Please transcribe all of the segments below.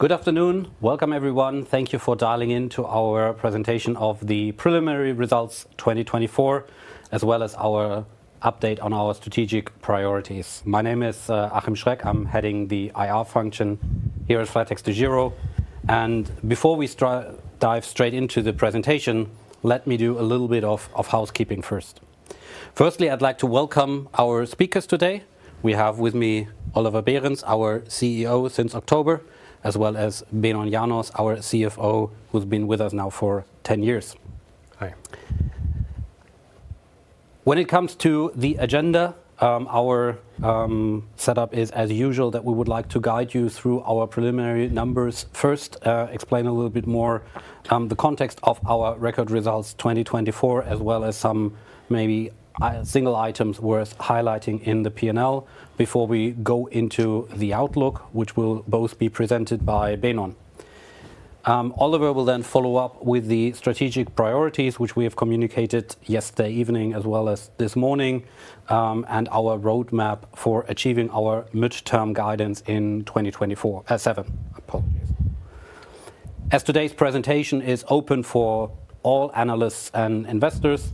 Good afternoon. Welcome, everyone. Thank you for dialing in to our presentation of the preliminary results 2024, as well as our update on our strategic priorities. My name is Achim Schreck. I'm heading the IR function here at flatexDEGIRO. Before we dive straight into the presentation, let me do a little bit of housekeeping first. Firstly, I'd like to welcome our speakers today. We have with me Oliver Behrens, our CEO since October, as well as Benon Janos, our CFO, who's been with us now for 10 years. Hi. When it comes to the agenda, our setup is, as usual, that we would like to guide you through our preliminary numbers. First, explain a little bit more the context of our record results 2024, as well as some maybe single items worth highlighting in the P&L before we go into the outlook, which will both be presented by Benon. Oliver will then follow up with the strategic priorities, which we have communicated yesterday evening, as well as this morning, and our roadmap for achieving our midterm guidance in 2024. As today's presentation is open for all analysts and investors,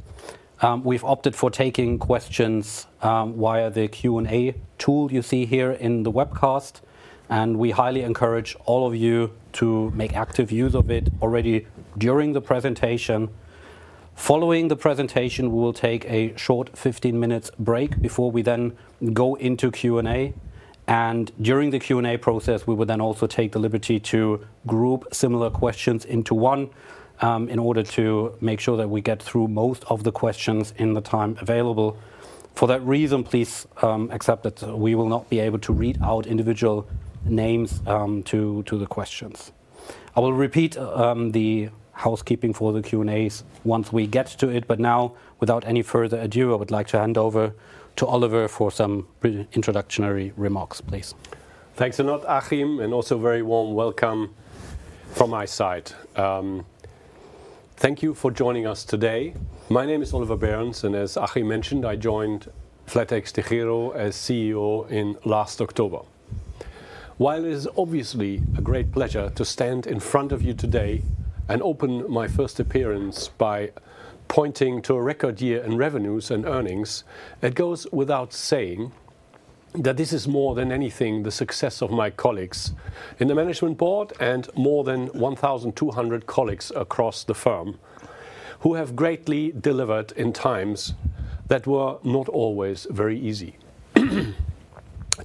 we've opted for taking questions via the Q&A tool you see here in the webcast, and we highly encourage all of you to make active use of it already during the presentation. Following the presentation, we will take a short 15-minute break before we then go into Q&A. During the Q&A process, we will then also take the liberty to group similar questions into one in order to make sure that we get through most of the questions in the time available. For that reason, please accept that we will not be able to read out individual names to the questions. I will repeat the housekeeping for the Q&As once we get to it. But now, without any further ado, I would like to hand over to Oliver for some introductory remarks, please. Thanks a lot, Achim, and also a very warm welcome from my side. Thank you for joining us today. My name is Oliver Behrens, and as Achim mentioned, I joined flatexDEGIRO as CEO in last October. While it is obviously a great pleasure to stand in front of you today and open my first appearance by pointing to a record year in revenues and earnings, it goes without saying that this is, more than anything, the success of my colleagues in the management board and more than 1,200 colleagues across the firm who have greatly delivered in times that were not always very easy.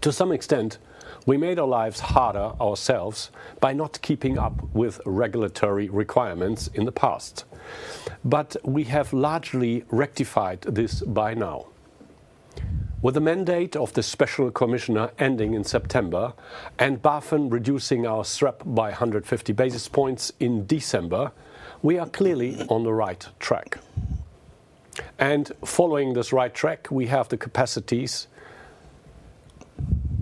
To some extent, we made our lives harder ourselves by not keeping up with regulatory requirements in the past. But we have largely rectified this by now. With the mandate of the special commissioner ending in September and BaFin reducing our SREP by 150 basis points in December, we are clearly on the right track, and following this right track, we have the capacities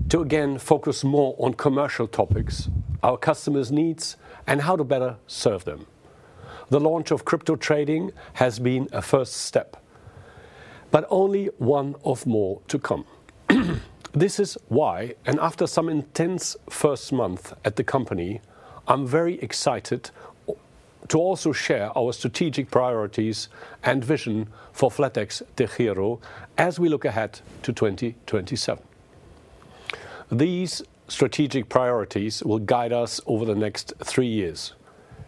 to again focus more on commercial topics, our customers' needs, and how to better serve them. The launch of crypto trading has been a first step, but only one of more to come. This is why, and after some intense first month at the company, I'm very excited to also share our strategic priorities and vision for flatexDEGIRO as we look ahead to 2027. These strategic priorities will guide us over the next three years,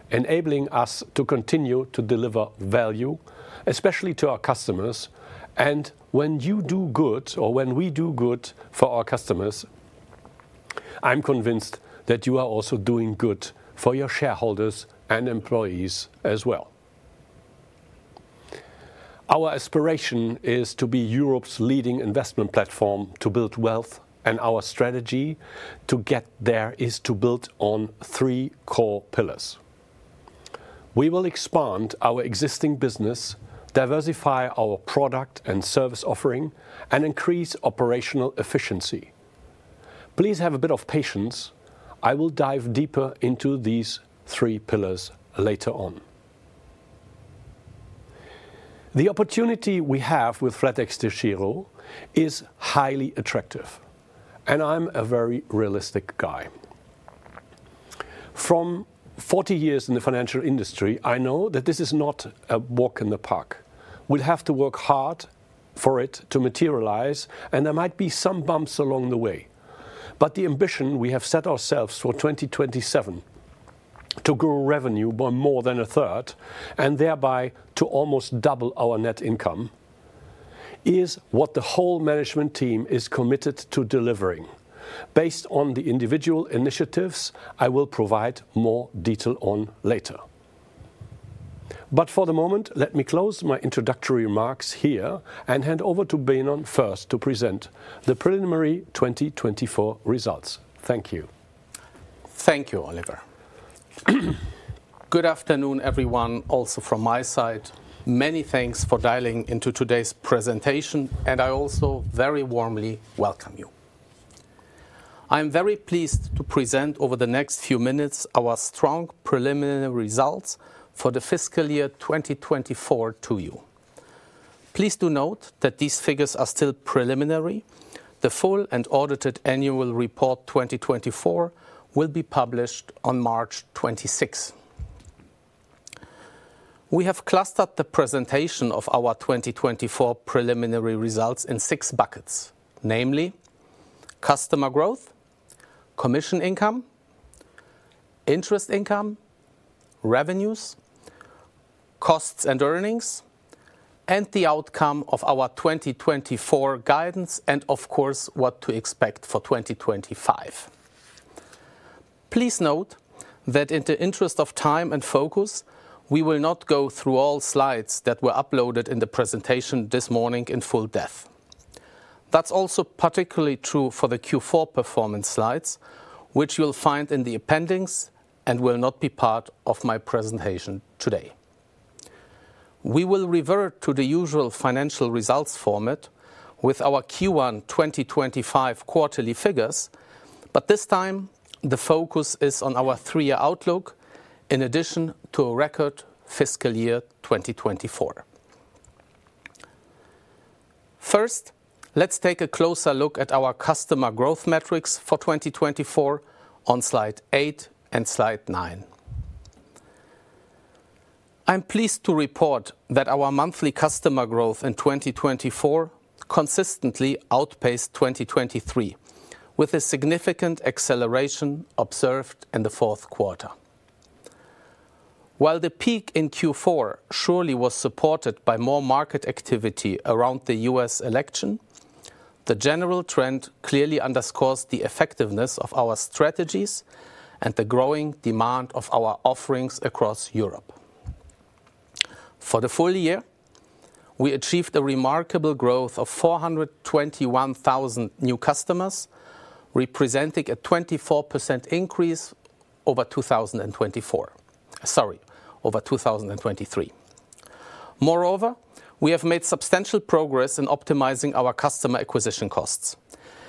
enabling us to continue to deliver value, especially to our customers. And when you do good, or when we do good for our customers, I'm convinced that you are also doing good for your shareholders and employees as well. Our aspiration is to be Europe's leading investment platform to build wealth, and our strategy to get there is to build on three core pillars. We will expand our existing business, diversify our product and service offering, and increase operational efficiency. Please have a bit of patience. I will dive deeper into these three pillars later on. The opportunity we have with flatexDEGIRO is highly attractive, and I'm a very realistic guy. From 40 years in the financial industry, I know that this is not a walk in the park. We'll have to work hard for it to materialize, and there might be some bumps along the way. But the ambition we have set ourselves for 2027 to grow revenue by more than a third, and thereby to almost double our net income, is what the whole management team is committed to delivering based on the individual initiatives I will provide more detail on later. But for the moment, let me close my introductory remarks here and hand over to Benon first to present the preliminary 2024 results. Thank you. Thank you, Oliver. Good afternoon, everyone, also from my side. Many thanks for dialing into today's presentation, and I also very warmly welcome you. I'm very pleased to present over the next few minutes our strong preliminary results for the fiscal year 2024 to you. Please do note that these figures are still preliminary. The full and audited annual report 2024 will be published on March 26. We have clustered the presentation of our 2024 preliminary results in six buckets, namely customer growth, commission income, interest income, revenues, costs and earnings, and the outcome of our 2024 guidance, and of course, what to expect for 2025. Please note that in the interest of time and focus, we will not go through all slides that were uploaded in the presentation this morning in full depth. That's also particularly true for the Q4 performance slides, which you'll find in the appendix and will not be part of my presentation today. We will revert to the usual financial results format with our Q1 2025 quarterly figures, but this time, the focus is on our three-year outlook in addition to a record fiscal year 2024. First, let's take a closer look at our customer growth metrics for 2024 on slide eight and slide nine. I'm pleased to report that our monthly customer growth in 2024 consistently outpaced 2023, with a significant acceleration observed in the fourth quarter. While the peak in Q4 surely was supported by more market activity around the U.S. election, the general trend clearly underscores the effectiveness of our strategies and the growing demand of our offerings across Europe. For the full year, we achieved a remarkable growth of 421,000 new customers, representing a 24% increase over 2024. Sorry, over 2023. Moreover, we have made substantial progress in optimizing our customer acquisition costs.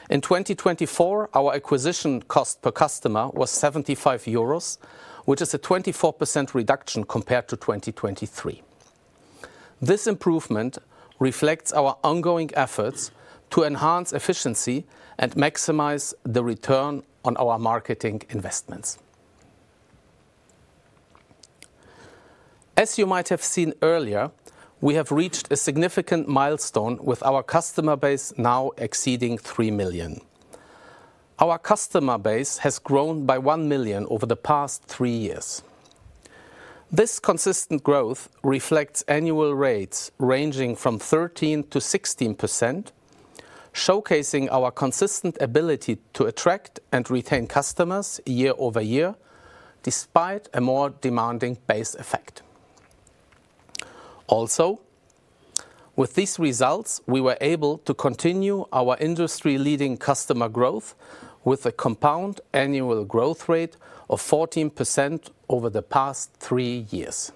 In 2024, our acquisition cost per customer was 75 euros, which is a 24% reduction compared to 2023. This improvement reflects our ongoing efforts to enhance efficiency and maximize the return on our marketing investments. As you might have seen earlier, we have reached a significant milestone with our customer base now exceeding 3 million. Our customer base has grown by 1 million over the past three years. This consistent growth reflects annual rates ranging from 13% to 16%, showcasing our consistent ability to attract and retain customers year-over-year despite a more demanding base effect. Also, with these results, we were able to continue our industry-leading customer growth with a compound annual growth rate of 14% over the past three years.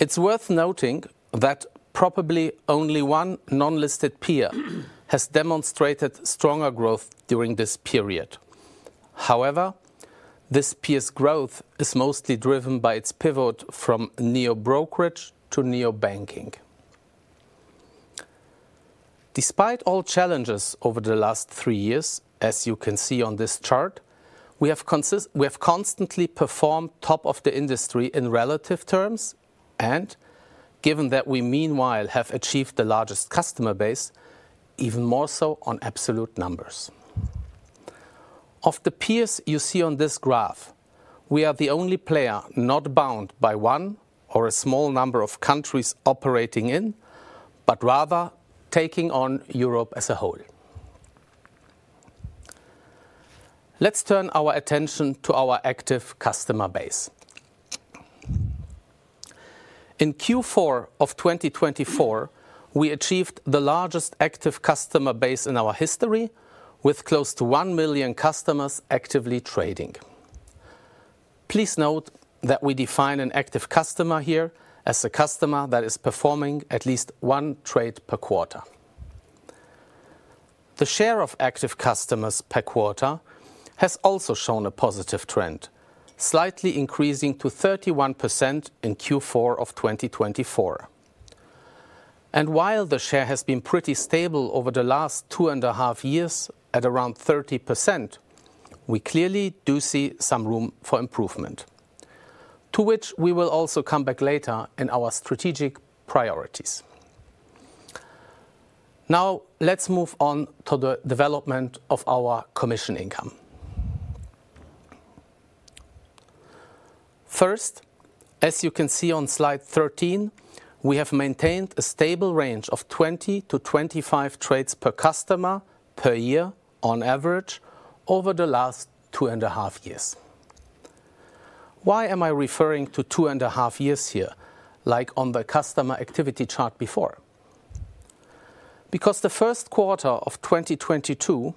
It's worth noting that probably only one non-listed peer has demonstrated stronger growth during this period. However, this peer's growth is mostly driven by its pivot from neobrokerage to neobanking. Despite all challenges over the last three years, as you can see on this chart, we have constantly performed top of the industry in relative terms, and given that we meanwhile have achieved the largest customer base, even more so on absolute numbers. Of the peers you see on this graph, we are the only player not bound by one or a small number of countries operating in, but rather taking on Europe as a whole. Let's turn our attention to our active customer base. In Q4 of 2024, we achieved the largest active customer base in our history, with close to 1 million customers actively trading. Please note that we define an active customer here as a customer that is performing at least one trade per quarter. The share of active customers per quarter has also shown a positive trend, slightly increasing to 31% in Q4 of 2024, and while the share has been pretty stable over the last two and a half years at around 30%, we clearly do see some room for improvement, to which we will also come back later in our strategic priorities. Now, let's move on to the development of our commission income. First, as you can see on slide 13, we have maintained a stable range of 20 to 25 trades per customer per year on average over the last two and a half years. Why am I referring to two and a half years here, like on the customer activity chart before? Because the first quarter of 2022,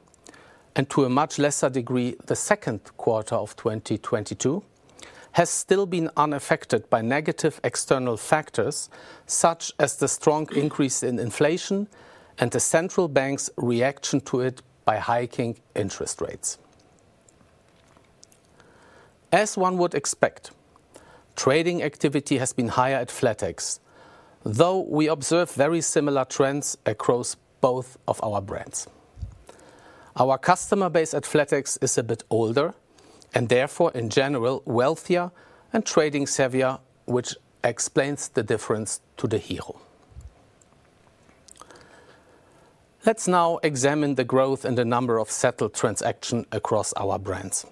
and to a much lesser degree, the second quarter of 2022, has still been unaffected by negative external factors such as the strong increase in inflation and the central bank's reaction to it by hiking interest rates. As one would expect, trading activity has been higher at flatex, though we observe very similar trends across both of our brands. Our customer base at flatex is a bit older and therefore, in general, wealthier and trading heavier, which explains the difference to DEGIRO. Let's now examine the growth and the number of settled transactions across our brands.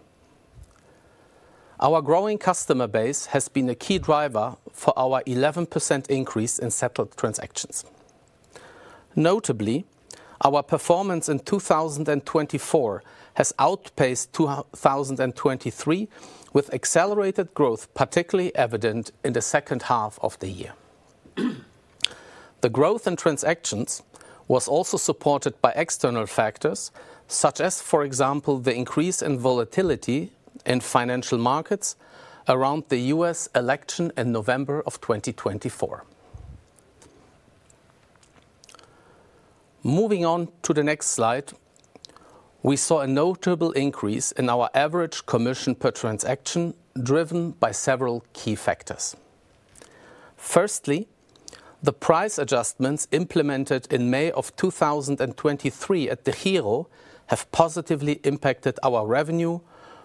Our growing customer base has been a key driver for our 11% increase in settled transactions. Notably, our performance in 2024 has outpaced 2023, with accelerated growth particularly evident in the second half of the year. The growth in transactions was also supported by external factors such as, for example, the increase in volatility in financial markets around the U.S. election in November of 2024. Moving on to the next slide, we saw a notable increase in our average commission per transaction driven by several key factors. Firstly, the price adjustments implemented in May of 2023 at DEGIRO have positively impacted our revenue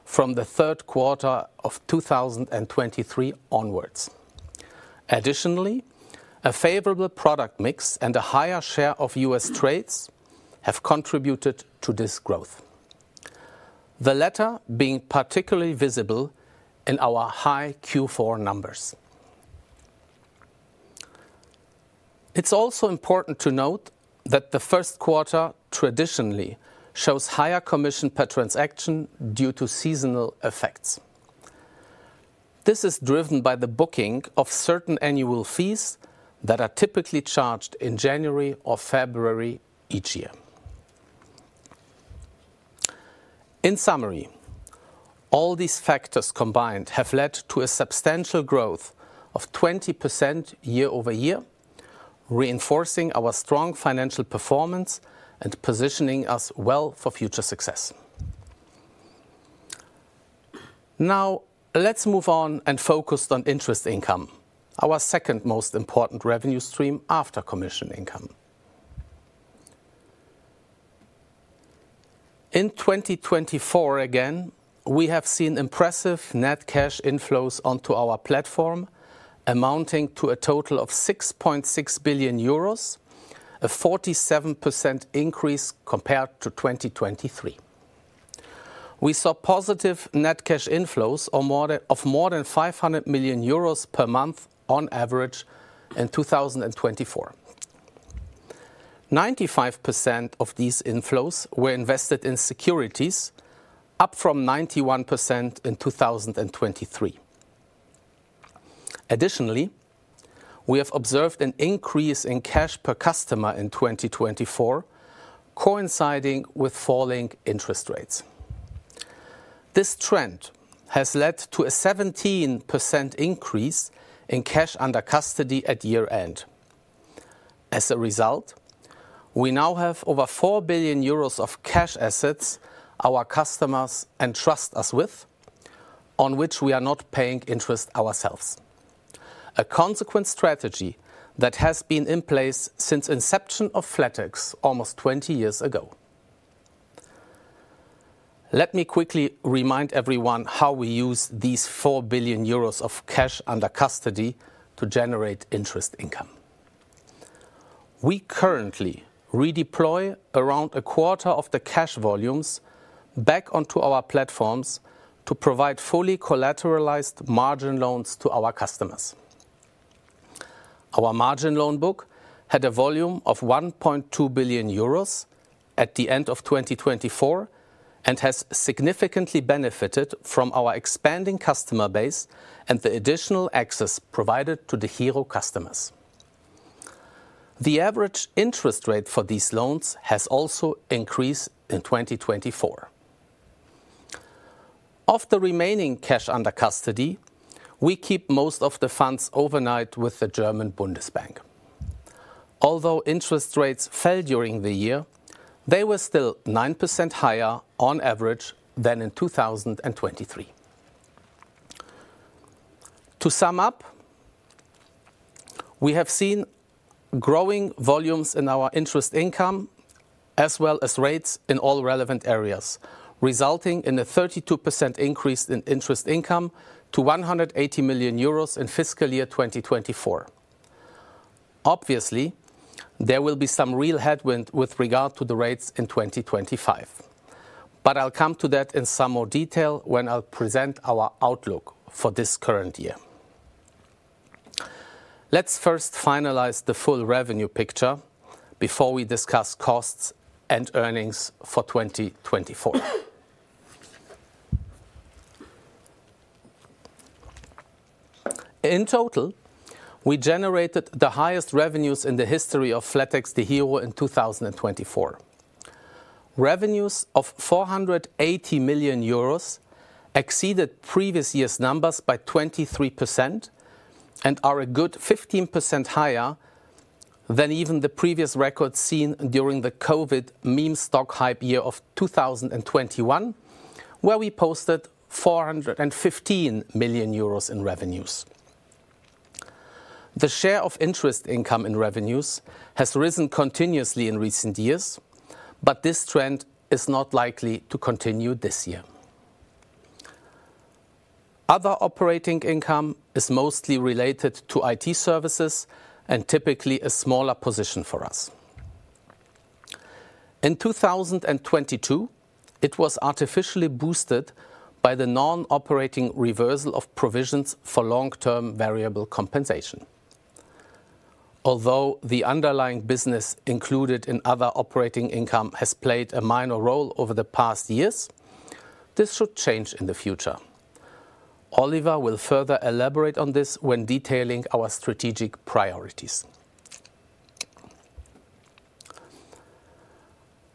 from the third quarter of 2023 onwards. Additionally, a favorable product mix and a higher share of U.S. trades have contributed to this growth, the latter being particularly visible in our high Q4 numbers. It's also important to note that the first quarter traditionally shows higher commission per transaction due to seasonal effects. This is driven by the booking of certain annual fees that are typically charged in January or February each year. In summary, all these factors combined have led to a substantial growth of 20% year-over-year, reinforcing our strong financial performance and positioning us well for future success. Now, let's move on and focus on interest income, our second most important revenue stream after commission income. In 2024, again, we have seen impressive net cash inflows onto our platform, amounting to a total of 6.6 billion euros, a 47% increase compared to 2023. We saw positive net cash inflows of more than 500 million euros per month on average in 2024. 95% of these inflows were invested in securities, up from 91% in 2023. Additionally, we have observed an increase in cash per customer in 2024, coinciding with falling interest rates. This trend has led to a 17% increase in cash under custody at year-end. As a result, we now have over 4 billion euros of cash assets our customers entrust us with, on which we are not paying interest ourselves, a consequent strategy that has been in place since the inception of flatex almost 20 years ago. Let me quickly remind everyone how we use these 4 billion euros of cash under custody to generate interest income. We currently redeploy around a quarter of the cash volumes back onto our platforms to provide fully collateralized margin loans to our customers. Our margin loan book had a volume of 1.2 billion euros at the end of 2024 and has significantly benefited from our expanding customer base and the additional access provided to DEGIRO customers. The average interest rate for these loans has also increased in 2024. Of the remaining cash under custody, we keep most of the funds overnight with the German Bundesbank. Although interest rates fell during the year, they were still 9% higher on average than in 2023. To sum up, we have seen growing volumes in our interest income, as well as rates in all relevant areas, resulting in a 32% increase in interest income to 180 million euros in fiscal year 2024. Obviously, there will be some real headwinds with regard to the rates in 2025, but I'll come to that in some more detail when I'll present our outlook for this current year. Let's first finalize the full revenue picture before we discuss costs and earnings for 2024. In total, we generated the highest revenues in the history of flatexDEGIRO in 2024. Revenues of 480 million euros exceeded previous year's numbers by 23% and are a good 15% higher than even the previous record seen during the COVID meme stock hype year of 2021, where we posted 415 million euros in revenues. The share of interest income in revenues has risen continuously in recent years, but this trend is not likely to continue this year. Other operating income is mostly related to IT services and typically a smaller position for us. In 2022, it was artificially boosted by the non-operating reversal of provisions for long-term variable compensation. Although the underlying business included in other operating income has played a minor role over the past years, this should change in the future. Oliver will further elaborate on this when detailing our strategic priorities.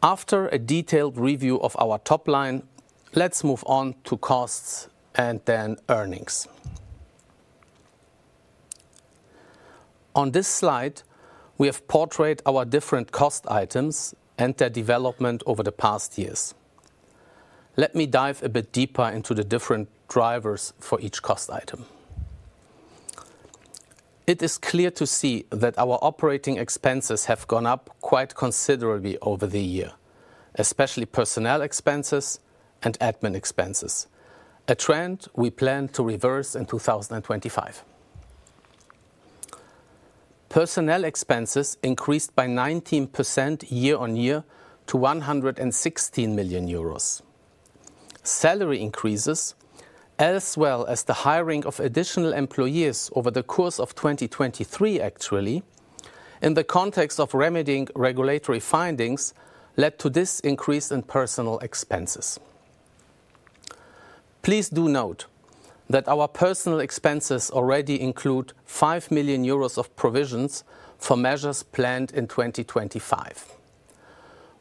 After a detailed review of our top line, let's move on to costs and then earnings. On this slide, we have portrayed our different cost items and their development over the past years. Let me dive a bit deeper into the different drivers for each cost item. It is clear to see that our operating expenses have gone up quite considerably over the year, especially personnel expenses and admin expenses, a trend we plan to reverse in 2025. Personnel expenses increased by 19% year-on-year to 116 million euros. Salary increases, as well as the hiring of additional employees over the course of 2023, actually, in the context of remedying regulatory findings led to this increase in personnel expenses. Please do note that our personnel expenses already include 5 million euros of provisions for measures planned in 2025.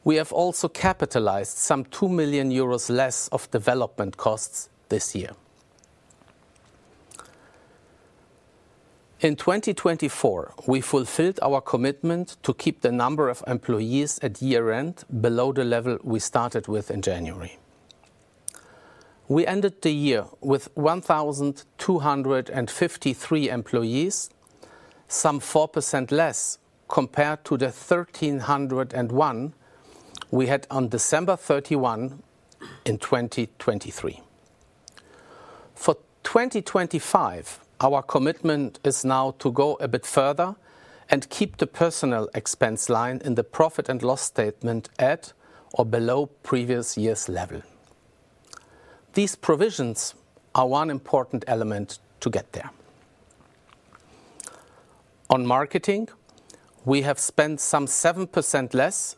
We have also capitalized some 2 million euros less of development costs this year. In 2024, we fulfilled our commitment to keep the number of employees at year-end below the level we started with in January. We ended the year with 1,253 employees, some 4% less compared to the 1,301 we had on December 31 in 2023. For 2025, our commitment is now to go a bit further and keep the personnel expense line in the profit and loss statement at or below previous year's level. These provisions are one important element to get there. On marketing, we have spent some 7% less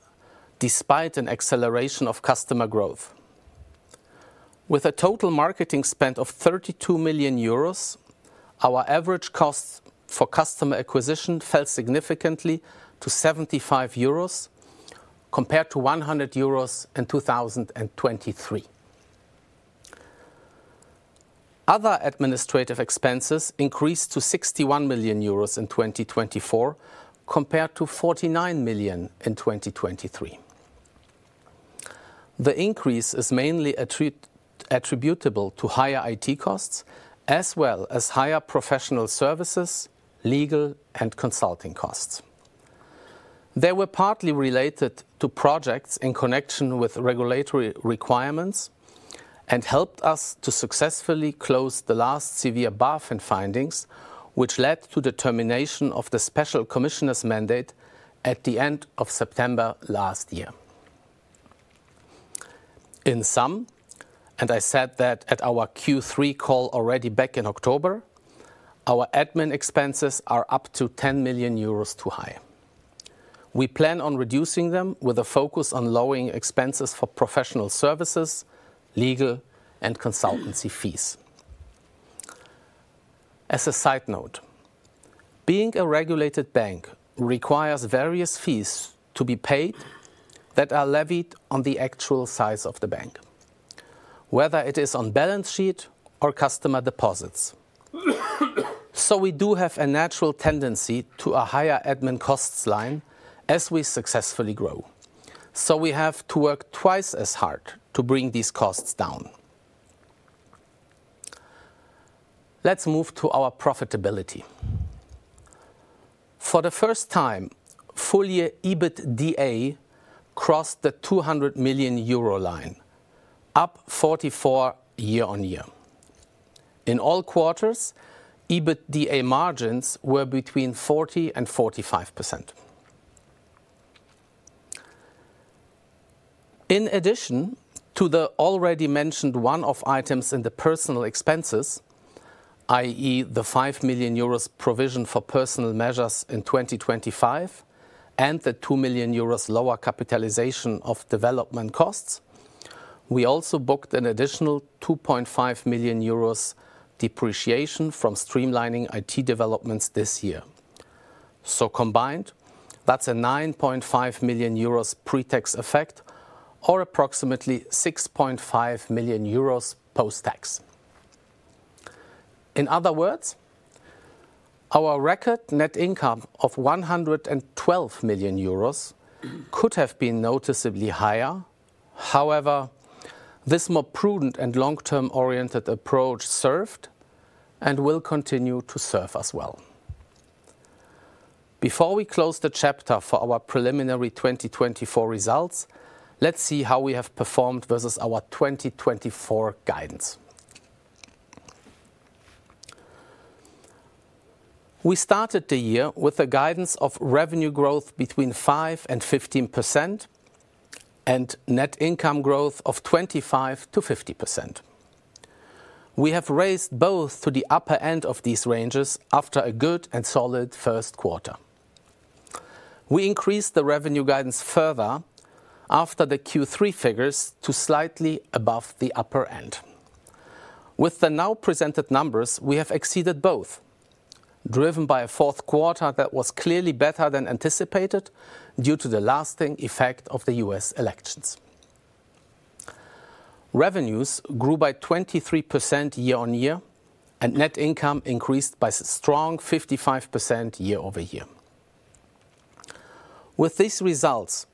despite an acceleration of customer growth. With a total marketing spend of 32 million euros, our average costs for customer acquisition fell significantly to 75 euros compared to 100 euros in 2023. Other administrative expenses increased to 61 million euros in 2024 compared to 49 million in 2023. The increase is mainly attributable to higher IT costs, as well as higher professional services, legal, and consulting costs. They were partly related to projects in connection with regulatory requirements and helped us to successfully close the last severe BaFin findings, which led to the termination of the special commissioner's mandate at the end of September last year. In sum, and I said that at our Q3 call already back in October, our admin expenses are up to 10 million euros too high. We plan on reducing them with a focus on lowering expenses for professional services, legal, and consultancy fees. As a side note, being a regulated bank requires various fees to be paid that are levied on the actual size of the bank, whether it is on balance sheet or customer deposits. So we do have a natural tendency to a higher admin costs line as we successfully grow. So we have to work twice as hard to bring these costs down. Let's move to our profitability. For the first time, full year EBITDA crossed the 200 million euro line, up 44% year-on-year. In all quarters, EBITDA margins were between 40% and 45%. In addition to the already mentioned one-off items in the personnel expenses, i.e., the 5 million euros provision for personnel measures in 2025 and the 2 million euros lower capitalization of development costs, we also booked an additional 2.5 million euros depreciation from streamlining IT developments this year. So combined, that's a 9.5 million euros pretax effect or approximately 6.5 million euros post-tax. In other words, our record net income of 112 million euros could have been noticeably higher. However, this more prudent and long-term oriented approach served and will continue to serve us well. Before we close the chapter for our preliminary 2024 results, let's see how we have performed versus our 2024 guidance. We started the year with a guidance of revenue growth between 5% and 15% and net income growth of 25% to 50%. We have raised both to the upper end of these ranges after a good and solid first quarter. We increased the revenue guidance further after the Q3 figures to slightly above the upper end. With the now presented numbers, we have exceeded both, driven by a fourth quarter that was clearly better than anticipated due to the lasting effect of the U.S. elections. Revenues grew by 23% year-on-year, and net income increased by a strong 55% year-over-year. With these results,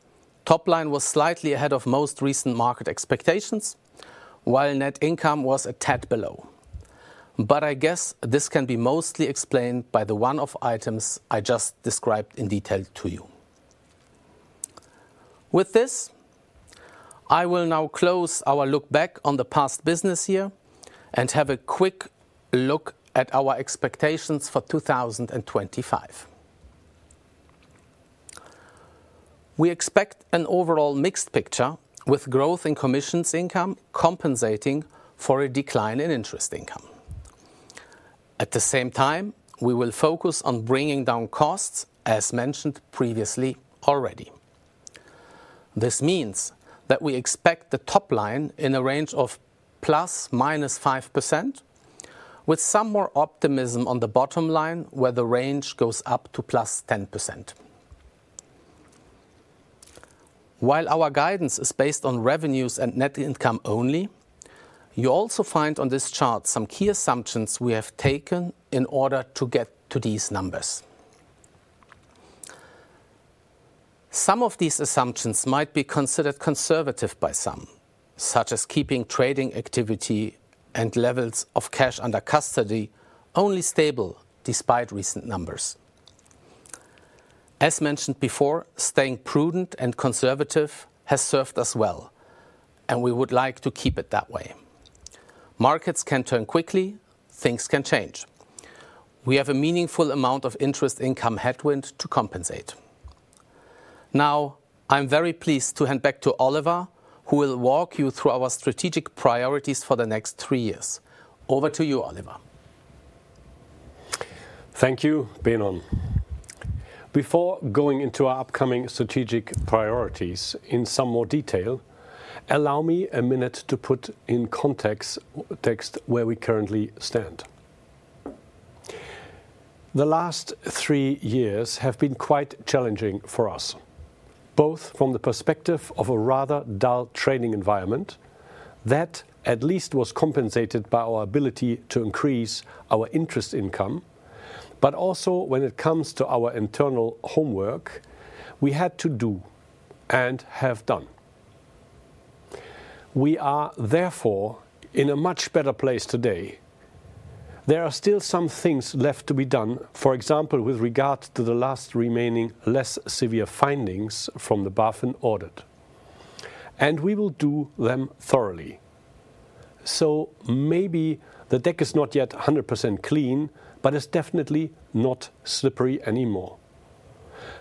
top line was slightly ahead of most recent market expectations, while net income was a tad below. But I guess this can be mostly explained by the one-off items I just described in detail to you. With this, I will now close our look back on the past business year and have a quick look at our expectations for 2025. We expect an overall mixed picture with growth in commissions income compensating for a decline in interest income. At the same time, we will focus on bringing down costs, as mentioned previously already. This means that we expect the top line in a range of plus/minus 5%, with some more optimism on the bottom line where the range goes up to plus 10%. While our guidance is based on revenues and net income only, you also find on this chart some key assumptions we have taken in order to get to these numbers. Some of these assumptions might be considered conservative by some, such as keeping trading activity and levels of cash under custody only stable despite recent numbers. As mentioned before, staying prudent and conservative has served us well, and we would like to keep it that way. Markets can turn quickly. Things can change. We have a meaningful amount of interest income headwind to compensate. Now, I'm very pleased to hand back to Oliver, who will walk you through our strategic priorities for the next three years. Over to you, Oliver. Thank you, Benon. Before going into our upcoming strategic priorities in some more detail, allow me a minute to put in context where we currently stand. The last three years have been quite challenging for us, both from the perspective of a rather dull trading environment that at least was compensated by our ability to increase our interest income, but also when it comes to our internal homework we had to do and have done. We are therefore in a much better place today. There are still some things left to be done, for example, with regard to the last remaining less severe findings from the BaFin audit, and we will do them thoroughly. So maybe the deck is not yet 100% clean, but it's definitely not slippery anymore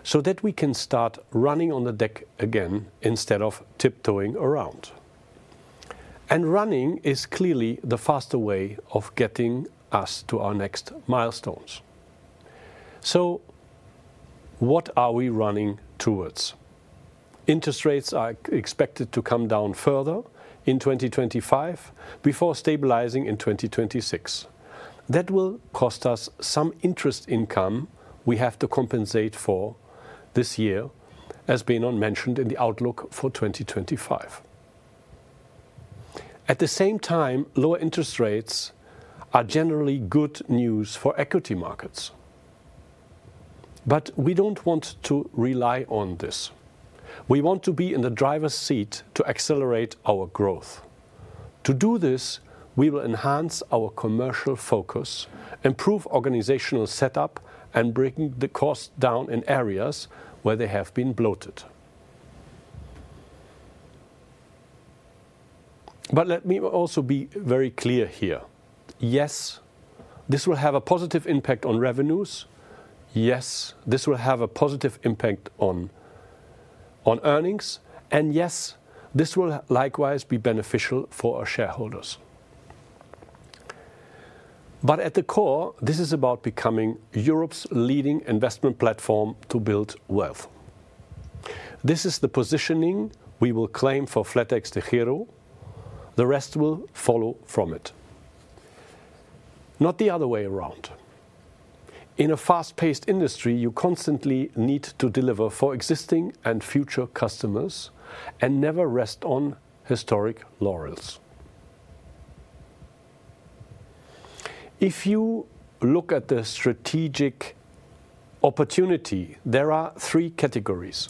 so that we can start running on the deck again instead of tiptoeing around. And running is clearly the faster way of getting us to our next milestones. So what are we running towards? Interest rates are expected to come down further in 2025 before stabilizing in 2026. That will cost us some interest income we have to compensate for this year, as Benon mentioned in the outlook for 2025. At the same time, lower interest rates are generally good news for equity markets. But we don't want to rely on this. We want to be in the driver's seat to accelerate our growth. To do this, we will enhance our commercial focus, improve organizational setup, and bring the cost down in areas where they have been bloated. But let me also be very clear here. Yes, this will have a positive impact on revenues. Yes, this will have a positive impact on earnings. And yes, this will likewise be beneficial for our shareholders. But at the core, this is about becoming Europe's leading investment platform to build wealth. This is the positioning we will claim for flatexDEGIRO. The rest will follow from it. Not the other way around. In a fast-paced industry, you constantly need to deliver for existing and future customers and never rest on historic laurels. If you look at the strategic opportunity, there are three categories.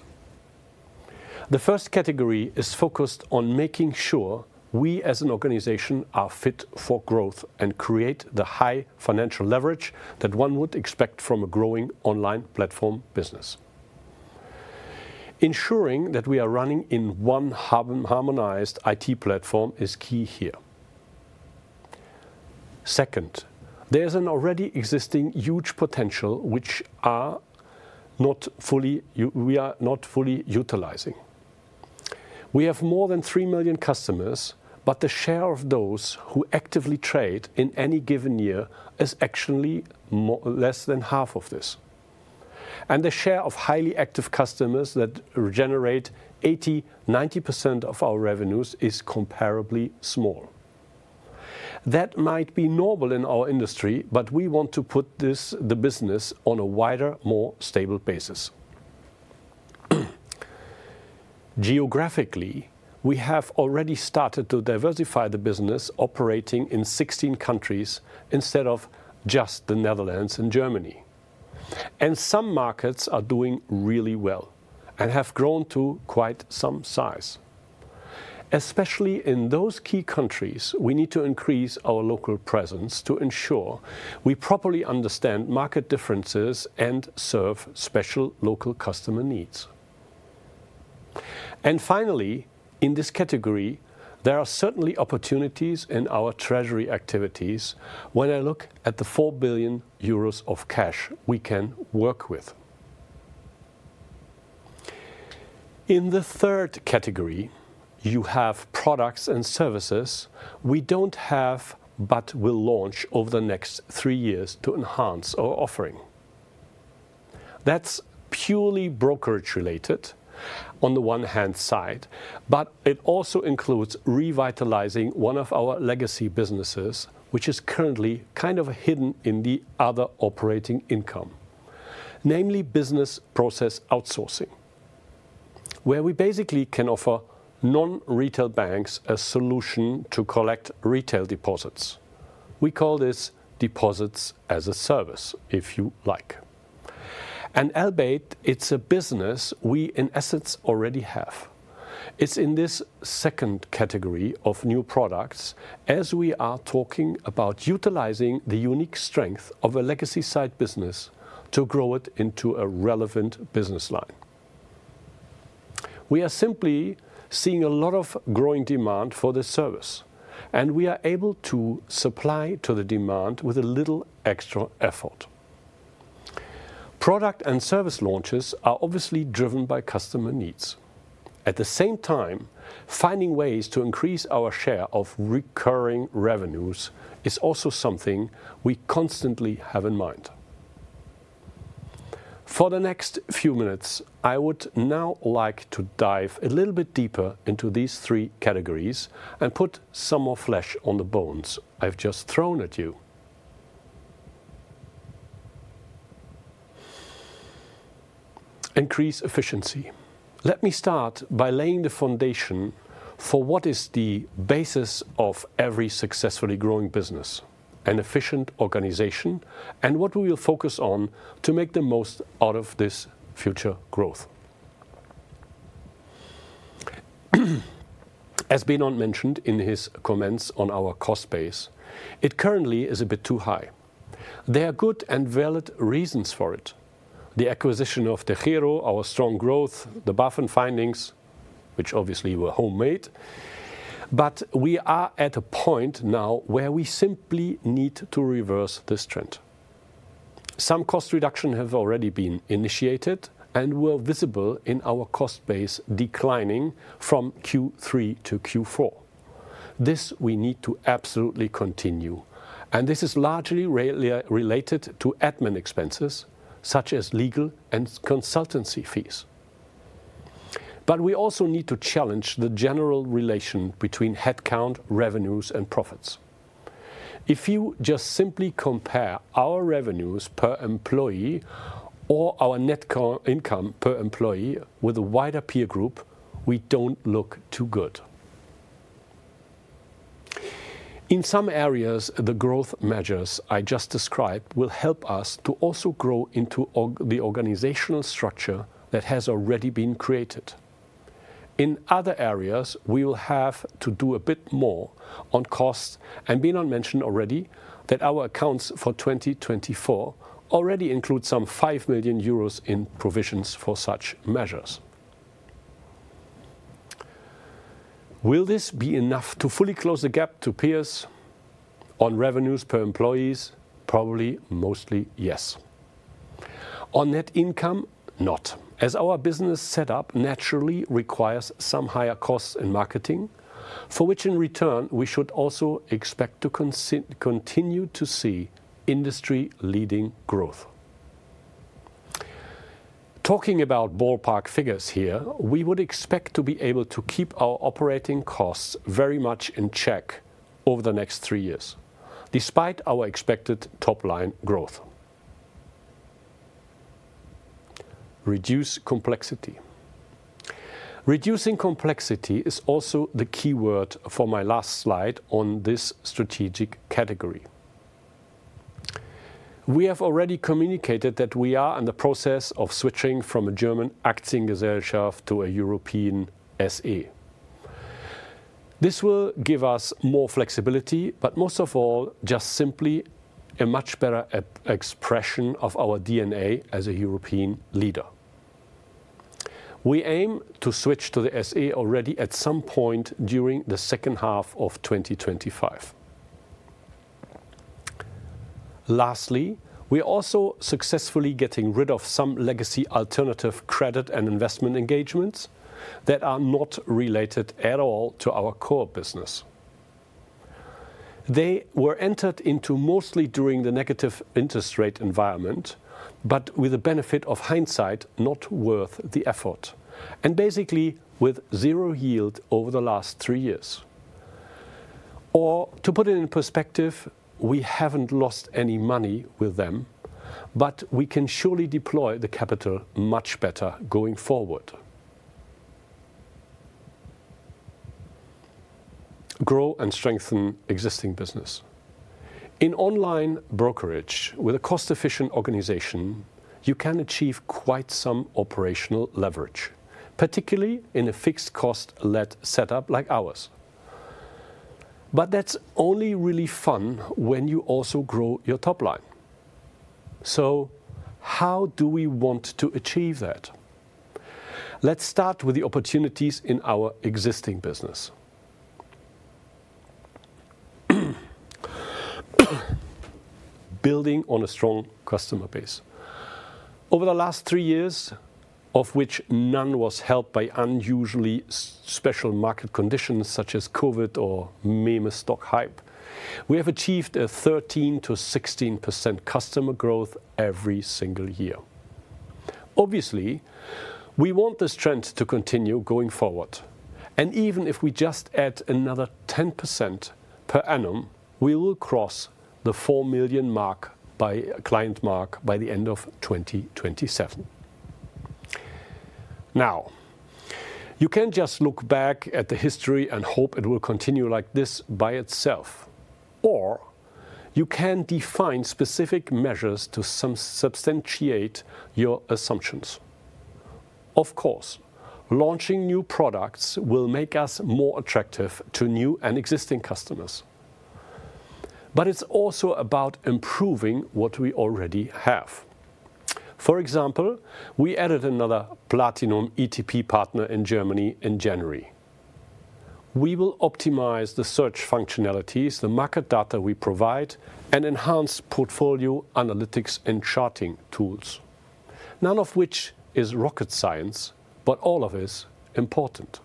The first category is focused on making sure we as an organization are fit for growth and create the high financial leverage that one would expect from a growing online platform business. Ensuring that we are running in one harmonized IT platform is key here. Second, there is an already existing huge potential which we are not fully utilizing. We have more than 3 million customers, but the share of those who actively trade in any given year is actually less than half of this. The share of highly active customers that generate 80%, 90% of our revenues is comparably small. That might be normal in our industry, but we want to put the business on a wider, more stable basis. Geographically, we have already started to diversify the business operating in 16 countries instead of just the Netherlands and Germany. Some markets are doing really well and have grown to quite some size. Especially in those key countries, we need to increase our local presence to ensure we properly understand market differences and serve special local customer needs. Finally, in this category, there are certainly opportunities in our treasury activities when I look at the 4 billion euros of cash we can work with. In the third category, you have products and services we don't have but will launch over the next three years to enhance our offering. That's purely brokerage-related on the one-hand side, but it also includes revitalizing one of our legacy businesses, which is currently kind of hidden in the other operating income, namely business process outsourcing, where we basically can offer non-retail banks a solution to collect retail deposits. We call this Deposits as a Service, if you like, and flatex is a business we in essence already have. It's in this second category of new products as we are talking about utilizing the unique strength of a legacy side business to grow it into a relevant business line. We are simply seeing a lot of growing demand for the service, and we are able to supply to the demand with a little extra effort. Product and service launches are obviously driven by customer needs. At the same time, finding ways to increase our share of recurring revenues is also something we constantly have in mind. For the next few minutes, I would now like to dive a little bit deeper into these three categories and put some more flesh on the bones I've just thrown at you. Increase efficiency. Let me start by laying the foundation for what is the basis of every successfully growing business, an efficient organization, and what we will focus on to make the most out of this future growth. As Benon mentioned in his comments on our cost base, it currently is a bit too high. There are good and valid reasons for it: the acquisition of DEGIRO, our strong growth, the BaFin findings, which obviously were homemade. But we are at a point now where we simply need to reverse this trend. Some cost reduction has already been initiated and will be visible in our cost base declining from Q3 to Q4. This we need to absolutely continue, and this is largely related to admin expenses such as legal and consultancy fees. But we also need to challenge the general relation between headcount, revenues, and profits. If you just simply compare our revenues per employee or our net income per employee with a wider peer group, we don't look too good. In some areas, the growth measures I just described will help us to also grow into the organizational structure that has already been created. In other areas, we will have to do a bit more on costs, and Benon mentioned already that our accounts for 2024 already include some 5 million euros in provisions for such measures. Will this be enough to fully close the gap to peers on revenues per employees? Probably mostly yes. On net income, not, as our business setup naturally requires some higher costs in marketing, for which in return we should also expect to continue to see industry-leading growth. Talking about ballpark figures here, we would expect to be able to keep our operating costs very much in check over the next three years, despite our expected top line growth. Reduce complexity. Reducing complexity is also the key word for my last slide on this strategic category. We have already communicated that we are in the process of switching from a German Aktiengesellschaft to a European SE. This will give us more flexibility, but most of all, just simply a much better expression of our DNA as a European leader. We aim to switch to the SE already at some point during the second half of 2025. Lastly, we are also successfully getting rid of some legacy alternative credit and investment engagements that are not related at all to our core business. They were entered into mostly during the negative interest rate environment, but with the benefit of hindsight, not worth the effort, and basically with zero yield over the last three years. Or to put it in perspective, we haven't lost any money with them, but we can surely deploy the capital much better going forward. Grow and strengthen existing business. In online brokerage, with a cost-efficient organization, you can achieve quite some operational leverage, particularly in a fixed-cost-led setup like ours. But that's only really fun when you also grow your top line. So how do we want to achieve that? Let's start with the opportunities in our existing business. Building on a strong customer base. Over the last three years, of which none was held by unusually special market conditions such as COVID or meme stock hype, we have achieved a 13% to 16% customer growth every single year. Obviously, we want this trend to continue going forward, and even if we just add another 10% per annum, we will cross the four million customer mark by the end of 2027. Now, you can't just look back at the history and hope it will continue like this by itself, or you can define specific measures to substantiate your assumptions. Of course, launching new products will make us more attractive to new and existing customers, but it's also about improving what we already have. For example, we added another Platinum ETP partner in Germany in January. We will optimize the search functionalities, the market data we provide, and enhance portfolio analytics and charting tools, none of which is rocket science, but all of it is important,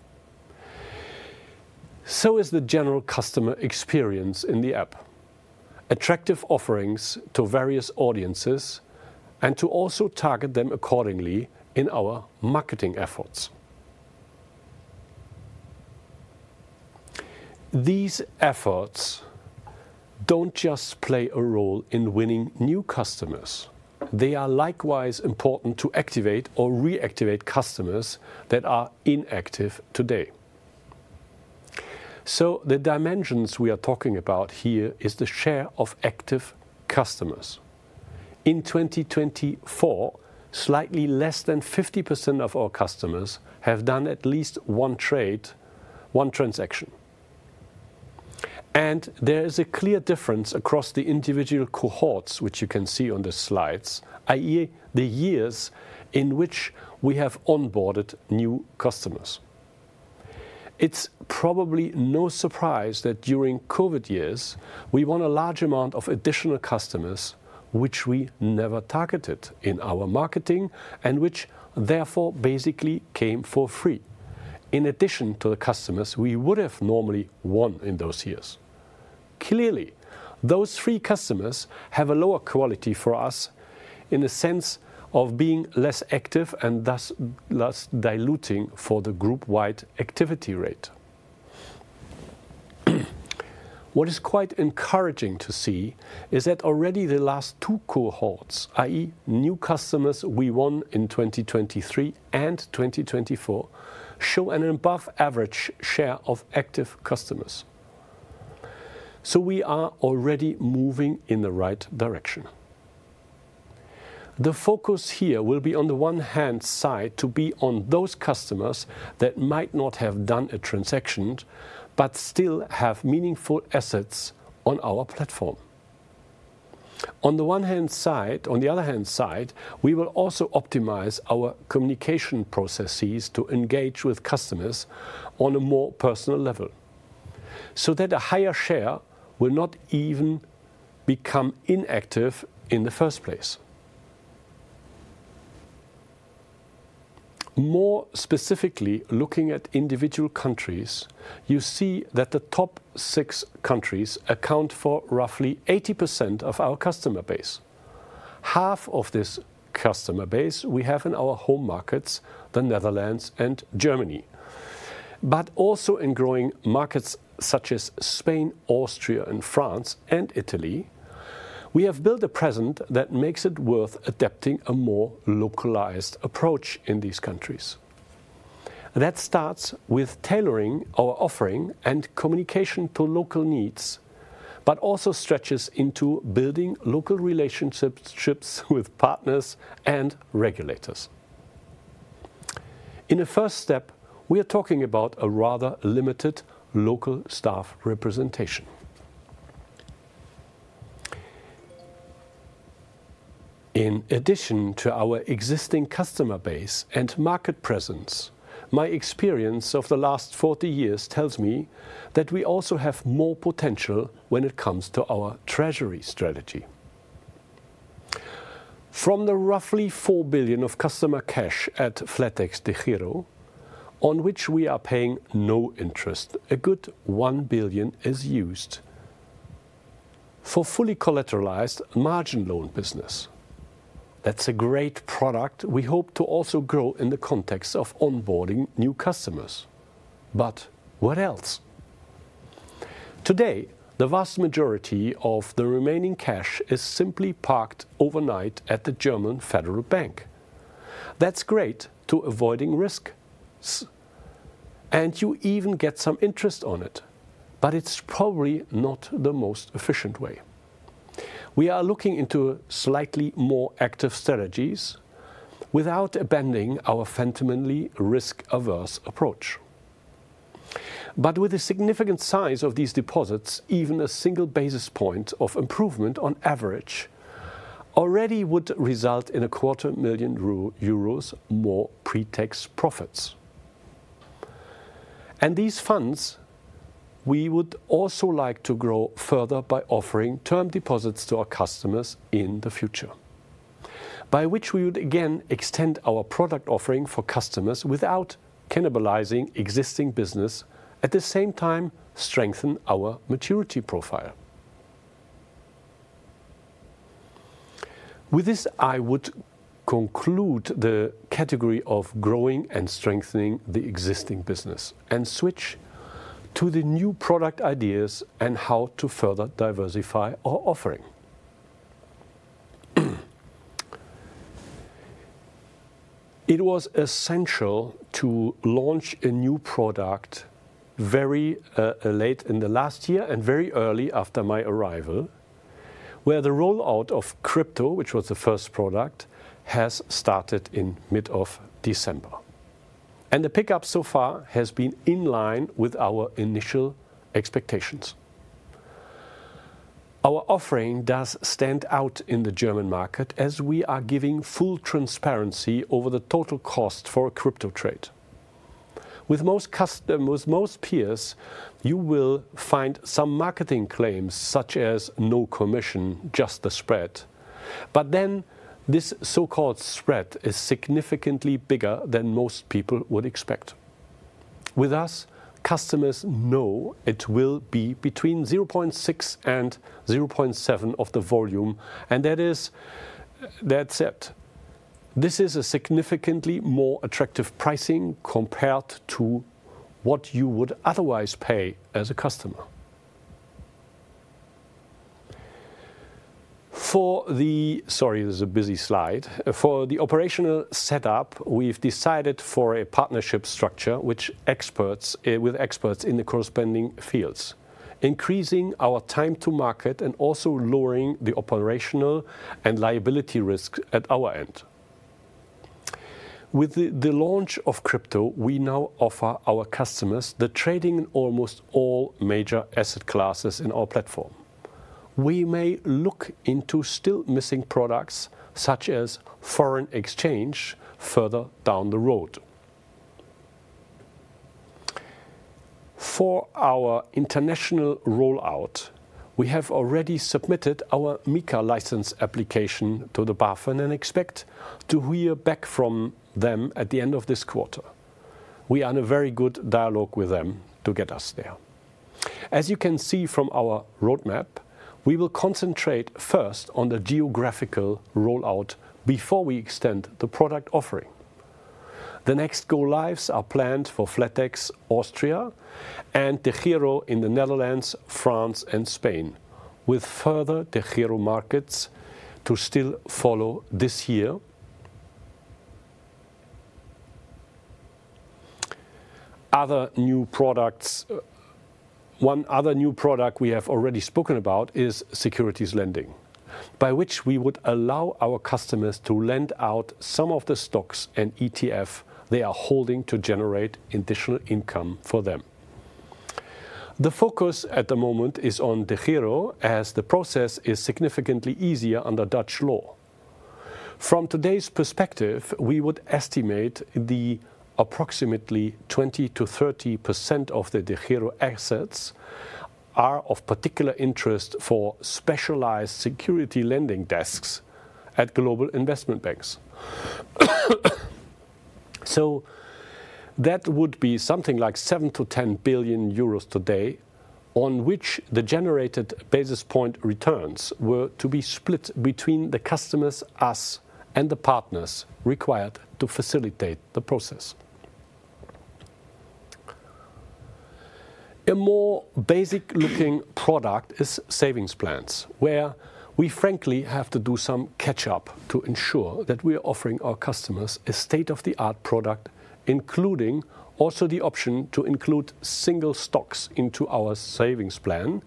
so is the general customer experience in the app, attractive offerings to various audiences, and to also target them accordingly in our marketing efforts. These efforts don't just play a role in winning new customers. They are likewise important to activate or reactivate customers that are inactive today, so the dimensions we are talking about here is the share of active customers. In 2024, slightly less than 50% of our customers have done at least one trade, one transaction, and there is a clear difference across the individual cohorts, which you can see on the slides, i.e., the years in which we have onboarded new customers. It's probably no surprise that during COVID years, we won a large amount of additional customers, which we never targeted in our marketing and which therefore basically came for free, in addition to the customers we would have normally won in those years. Clearly, those three customers have a lower quality for us in the sense of being less active and thus less diluting for the group-wide activity rate. What is quite encouraging to see is that already the last two cohorts, i.e., new customers we won in 2023 and 2024, show an above-average share of active customers. So we are already moving in the right direction. The focus here will be, on the one hand side, to be on those customers that might not have done a transaction but still have meaningful assets on our platform. On the one hand side, on the other hand side, we will also optimize our communication processes to engage with customers on a more personal level so that a higher share will not even become inactive in the first place. More specifically, looking at individual countries, you see that the top six countries account for roughly 80% of our customer base. Half of this customer base we have in our home markets, the Netherlands and Germany, but also in growing markets such as Spain, Austria, France, and Italy. We have built a presence that makes it worth adapting a more localized approach in these countries. That starts with tailoring our offering and communication to local needs, but also stretches into building local relationships with partners and regulators. In a first step, we are talking about a rather limited local staff representation. In addition to our existing customer base and market presence, my experience of the last 40 years tells me that we also have more potential when it comes to our treasury strategy. From the roughly 4 billion of customer cash at flatexDEGIRO, on which we are paying no interest, a good one billion is used for fully collateralized margin loan business. That's a great product we hope to also grow in the context of onboarding new customers. But what else? Today, the vast majority of the remaining cash is simply parked overnight at the German Federal Bank. That's great to avoiding risk, and you even get some interest on it, but it's probably not the most efficient way. We are looking into slightly more active strategies without abandoning our fundamentally risk-averse approach. But with the significant size of these deposits, even a single basis point of improvement on average already would result in 250,000 euros more pre-tax profits. And these funds, we would also like to grow further by offering term deposits to our customers in the future, by which we would again extend our product offering for customers without cannibalizing existing business, at the same time strengthening our maturity profile. With this, I would conclude the category of growing and strengthening the existing business and switch to the new product ideas and how to further diversify our offering. It was essential to launch a new product very late in the last year and very early after my arrival, where the rollout of crypto, which was the first product, has started in mid-December. And the pickup so far has been in line with our initial expectations. Our offering does stand out in the German market as we are giving full transparency over the total cost for a crypto trade. With most peers, you will find some marketing claims such as no commission, just the spread. But then this so-called spread is significantly bigger than most people would expect. With us, customers know it will be between 0.6 and 0.7 of the volume, and that is it. This is a significantly more attractive pricing compared to what you would otherwise pay as a customer. For the operational setup, we've decided for a partnership structure with experts in the corresponding fields, increasing our time to market and also lowering the operational and liability risk at our end. With the launch of crypto, we now offer our customers the trading in almost all major asset classes in our platform. We may look into still missing products such as foreign exchange further down the road. For our international rollout, we have already submitted our MiCA license application to the BaFin and expect to hear back from them at the end of this quarter. We are in a very good dialogue with them to get us there. As you can see from our roadmap, we will concentrate first on the geographical rollout before we extend the product offering. The next go-lives are planned for flatexAustria and DEGIRO in the Netherlands, France, and Spain, with further DEGIRO markets to still follow this year. Other new products, one other new product we have already spoken about is Securities lending, by which we would allow our customers to lend out some of the stocks and ETF they are holding to generate additional income for them. The focus at the moment is on DEGIRO as the process is significantly easier under Dutch law. From today's perspective, we would estimate the approximately 20% to 30% of the DEGIRO assets are of particular interest for specialized Securities lending desks at global investment banks. So that would be something like 7 billion to 10 billion euros today, on which the generated basis point returns were to be split between the customers' assets and the partners required to facilitate the process. A more basic-looking product is Savings plans, where we frankly have to do some catch-up to ensure that we are offering our customers a state-of-the-art product, including also the option to include single stocks into our savings plan,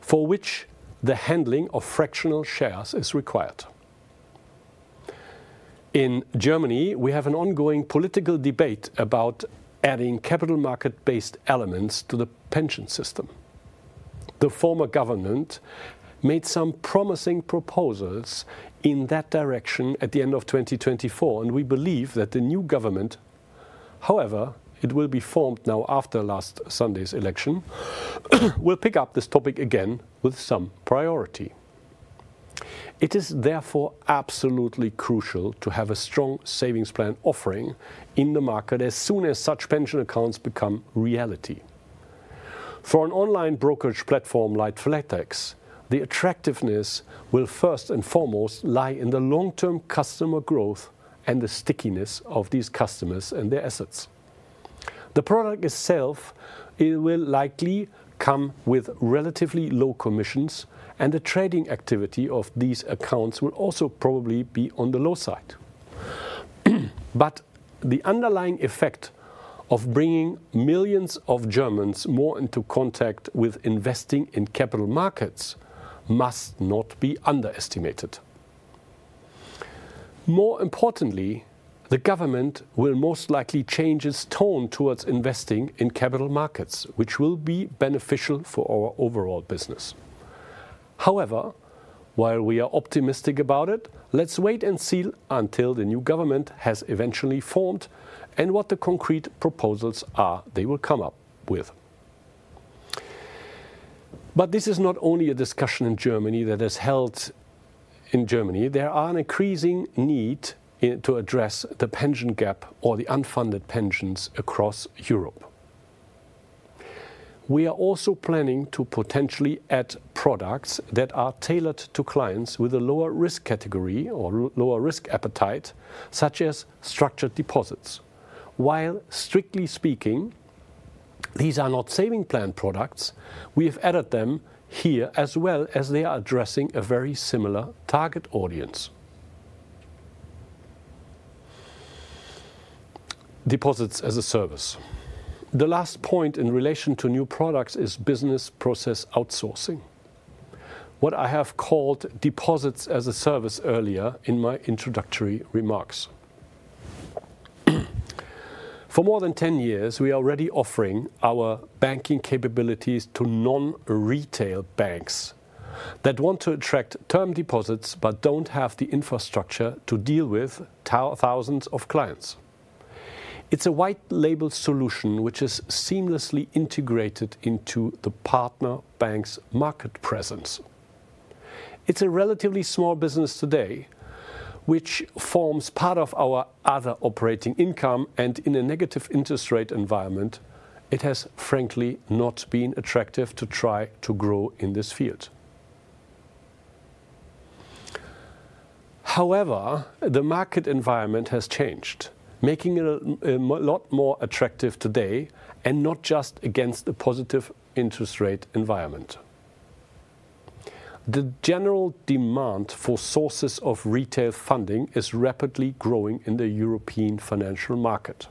for which the handling of fractional shares is required. In Germany, we have an ongoing political debate about adding capital market-based elements to the pension system. The former government made some promising proposals in that direction at the end of 2024, and we believe that the new government, however, it will be formed now after last Sunday's election, will pick up this topic again with some priority. It is therefore absolutely crucial to have a strong savings plan offering in the market as soon as such pension accounts become reality. For an online brokerage platform like flatex, the attractiveness will first and foremost lie in the long-term customer growth and the stickiness of these customers and their assets. The product itself will likely come with relatively low commissions, and the trading activity of these accounts will also probably be on the low side. But the underlying effect of bringing millions of Germans more into contact with investing in capital markets must not be underestimated. More importantly, the government will most likely change its tone towards investing in capital markets, which will be beneficial for our overall business. However, while we are optimistic about it, let's wait and see until the new government has eventually formed and what the concrete proposals are they will come up with. But this is not only a discussion in Germany that is held in Germany. There is an increasing need to address the pension gap or the unfunded pensions across Europe. We are also planning to potentially add products that are tailored to clients with a lower risk category or lower risk appetite, such as structured deposits. While, strictly speaking, these are not savings plan products, we have added them here as well as they are addressing a very similar target audience. Deposits as a Service. The last point in relation to new products is business process outsourcing, what I have called Deposits as a Service earlier in my introductory remarks. For more than 10 years, we are already offering our banking capabilities to non-retail banks that want to attract term deposits but don't have the infrastructure to deal with thousands of clients. It's a white-label solution which is seamlessly integrated into the partner bank's market presence. It's a relatively small business today, which forms part of our other operating income, and in a negative interest rate environment, it has frankly not been attractive to try to grow in this field. However, the market environment has changed, making it a lot more attractive today and not just against the positive interest rate environment. The general demand for sources of retail funding is rapidly growing in the European financial market,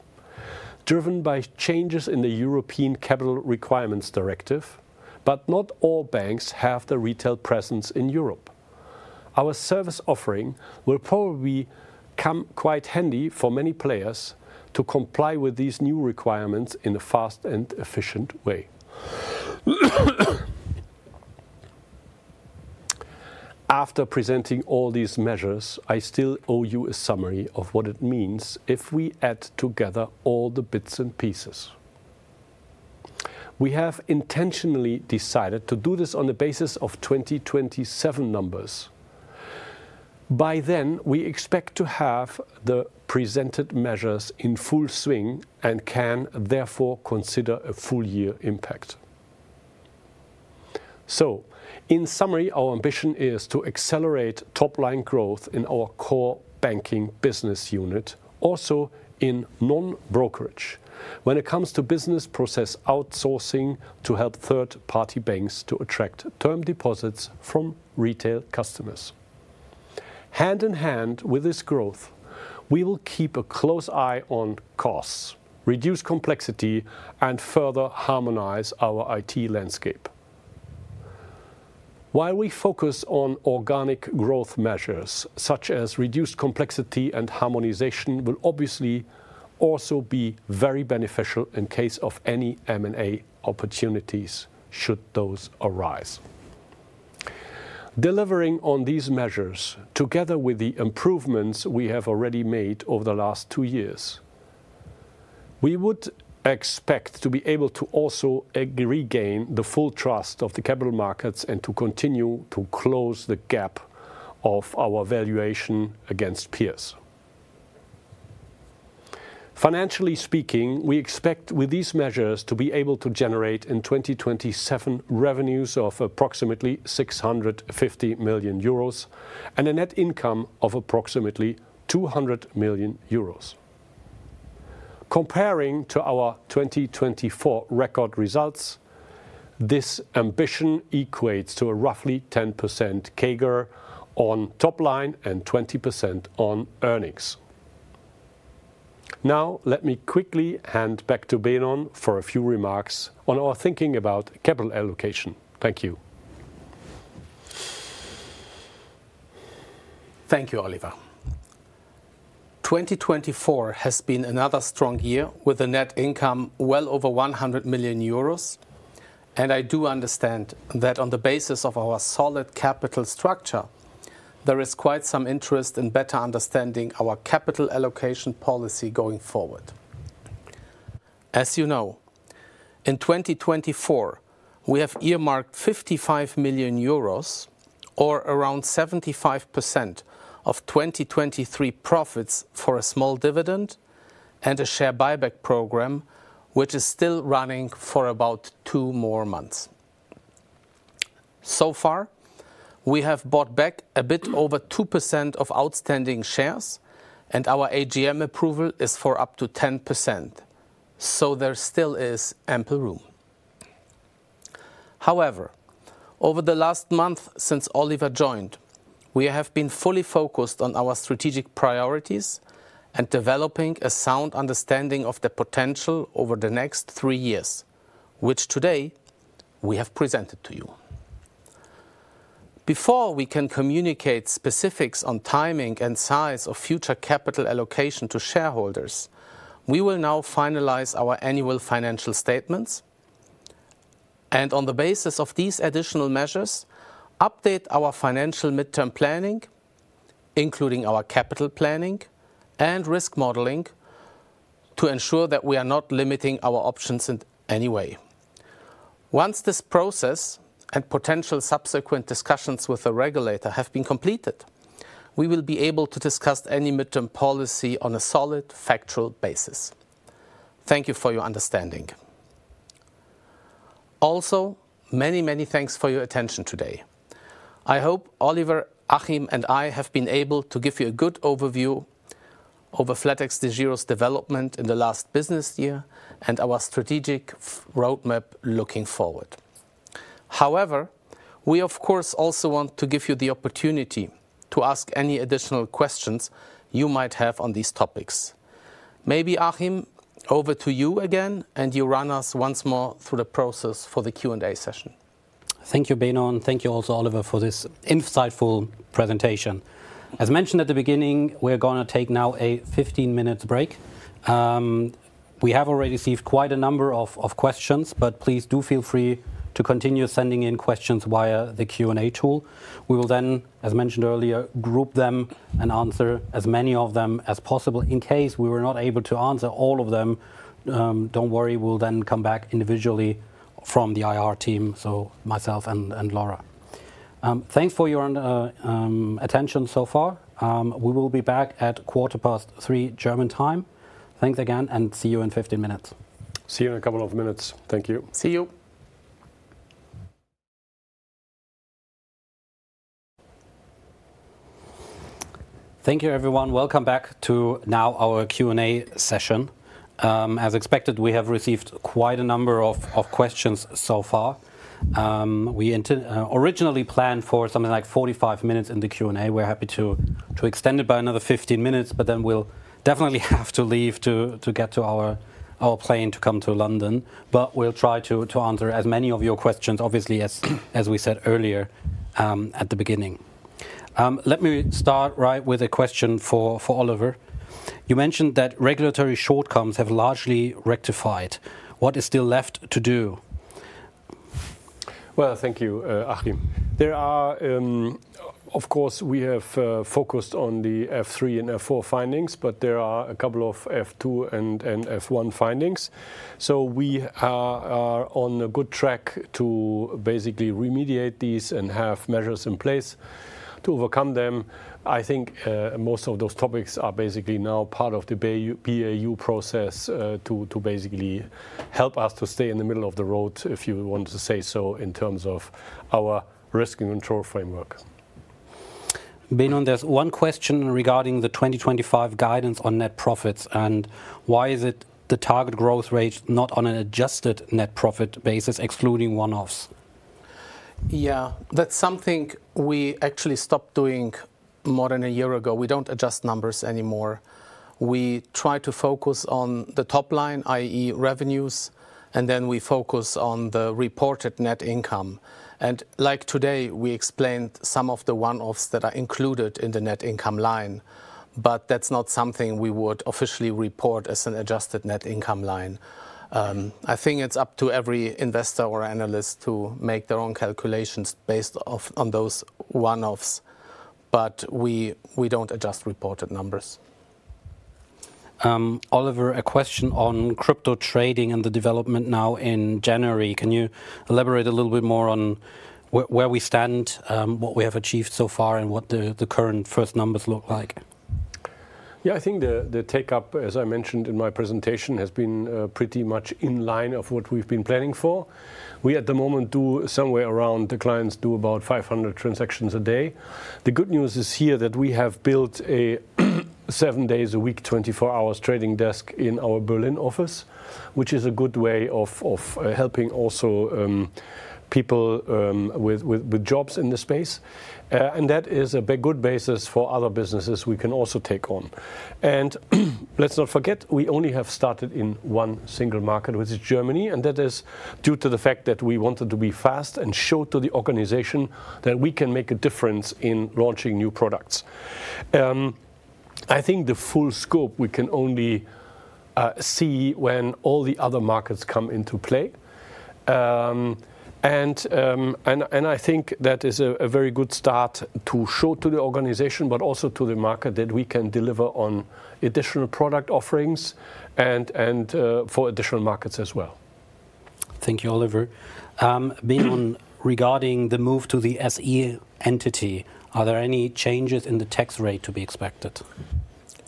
driven by changes in the European Capital Requirements Directive. But not all banks have the retail presence in Europe. Our service offering will probably come quite handy for many players to comply with these new requirements in a fast and efficient way. After presenting all these measures, I still owe you a summary of what it means if we add together all the bits and pieces. We have intentionally decided to do this on the basis of 2027 numbers. By then, we expect to have the presented measures in full swing and can therefore consider a full year impact. In summary, our ambition is to accelerate top-line growth in our core banking business unit, also in non-brokerage, when it comes to business process outsourcing to help third-party banks to attract term deposits from retail customers. Hand in hand with this growth, we will keep a close eye on costs, reduce complexity, and further harmonize our IT landscape. While we focus on organic growth measures such as reduced complexity and harmonization, it will obviously also be very beneficial in case of any M&A opportunities should those arise. Delivering on these measures together with the improvements we have already made over the last two years, we would expect to be able to also regain the full trust of the capital markets and to continue to close the gap of our valuation against peers. Financially speaking, we expect with these measures to be able to generate in 2027 revenues of approximately 650 million euros and a net income of approximately 200 million euros. Comparing to our 2024 record results, this ambition equates to a roughly 10% CAGR on top line and 20% on earnings. Now, let me quickly hand back to Benon for a few remarks on our thinking about capital allocation. Thank you. Thank you, Oliver. 2024 has been another strong year with a net income well over 100 million euros, and I do understand that on the basis of our solid capital structure, there is quite some interest in better understanding our capital allocation policy going forward. As you know, in 2024, we have earmarked 55 million euros, or around 75% of 2023 profits for a small dividend and a share buyback program, which is still running for about two more months. So far, we have bought back a bit over 2% of outstanding shares, and our AGM approval is for up to 10%, so there still is ample room. However, over the last month since Oliver joined, we have been fully focused on our strategic priorities and developing a sound understanding of the potential over the next three years, which today we have presented to you. Before we can communicate specifics on timing and size of future capital allocation to shareholders, we will now finalize our annual financial statements and, on the basis of these additional measures, update our financial midterm planning, including our capital planning and risk modeling, to ensure that we are not limiting our options in any way. Once this process and potential subsequent discussions with the regulator have been completed, we will be able to discuss any midterm policy on a solid factual basis. Thank you for your understanding. Also, many, many thanks for your attention today. I hope Oliver, Achim and I have been able to give you a good overview of flatexDEGIRO's development in the last business year and our strategic roadmap looking forward. However, we, of course, also want to give you the opportunity to ask any additional questions you might have on these topics. Maybe, Achim, over to you again, and you run us once more through the process for the Q&A session. Thank you, Benon, and thank you also, Oliver, for this insightful presentation. As mentioned at the beginning, we're going to take now a 15-minute break. We have already received quite a number of questions, but please do feel free to continue sending in questions via the Q&A tool. We will then, as mentioned earlier, group them and answer as many of them as possible. In case we were not able to answer all of them, don't worry, we'll then come back individually from the IR team, so myself and Laura. Thanks for your attention so far. We will be back at quater past three German time. Thanks again, and see you in 15 minutes. See you in a couple of minutes. Thank you. See you. Thank you, everyone. Welcome back to now our Q&A session. As expected, we have received quite a number of questions so far. We originally planned for something like 45 minutes in the Q&A. We're happy to extend it by another 15 minutes, but then we'll definitely have to leave to get to our plane to come to London. But we'll try to answer as many of your questions, obviously, as we said earlier at the beginning. Let me start right with a question for Oliver. You mentioned that regulatory shortcomings have largely rectified. What is still left to do? Thank you, Achim. There are, of course. We have focused on the F3 and F4 findings, but there are a couple of F2 and F1 findings, so we are on a good track to basically remediate these and have measures in place to overcome them. I think most of those topics are basically now part of the BAU process to basically help us to stay in the middle of the road, if you want to say so, in terms of our risk and control framework. Benon, there's one question regarding the 2025 guidance on net profits, and why is it the target growth rate not on an adjusted net profit basis, excluding one-offs? Yeah, that's something we actually stopped doing more than a year ago. We don't adjust numbers anymore. We try to focus on the top line, i.e., revenues, and then we focus on the reported net income, and like today, we explained some of the one-offs that are included in the net income line, but that's not something we would officially report as an adjusted net income line. I think it's up to every investor or analyst to make their own calculations based on those one-offs, but we don't adjust reported numbers. Oliver, a question on crypto trading and the development now in January. Can you elaborate a little bit more on where we stand, what we have achieved so far, and what the current first numbers look like? Yeah, I think the take-up, as I mentioned in my presentation, has been pretty much in line of what we've been planning for. At the moment, the clients do about 500 transactions a day. The good news is here that we have built a seven days a week, 24 hours trading desk in our Berlin office, which is a good way of helping also people with jobs in the space. And that is a good basis for other businesses we can also take on. And let's not forget, we only have started in one single market, which is Germany, and that is due to the fact that we wanted to be fast and show to the organization that we can make a difference in launching new products. I think the full scope we can only see when all the other markets come into play. I think that is a very good start to show to the organization, but also to the market, that we can deliver on additional product offerings and for additional markets as well. Thank you, Oliver. Benon, regarding the move to the SE entity, are there any changes in the tax rate to be expected?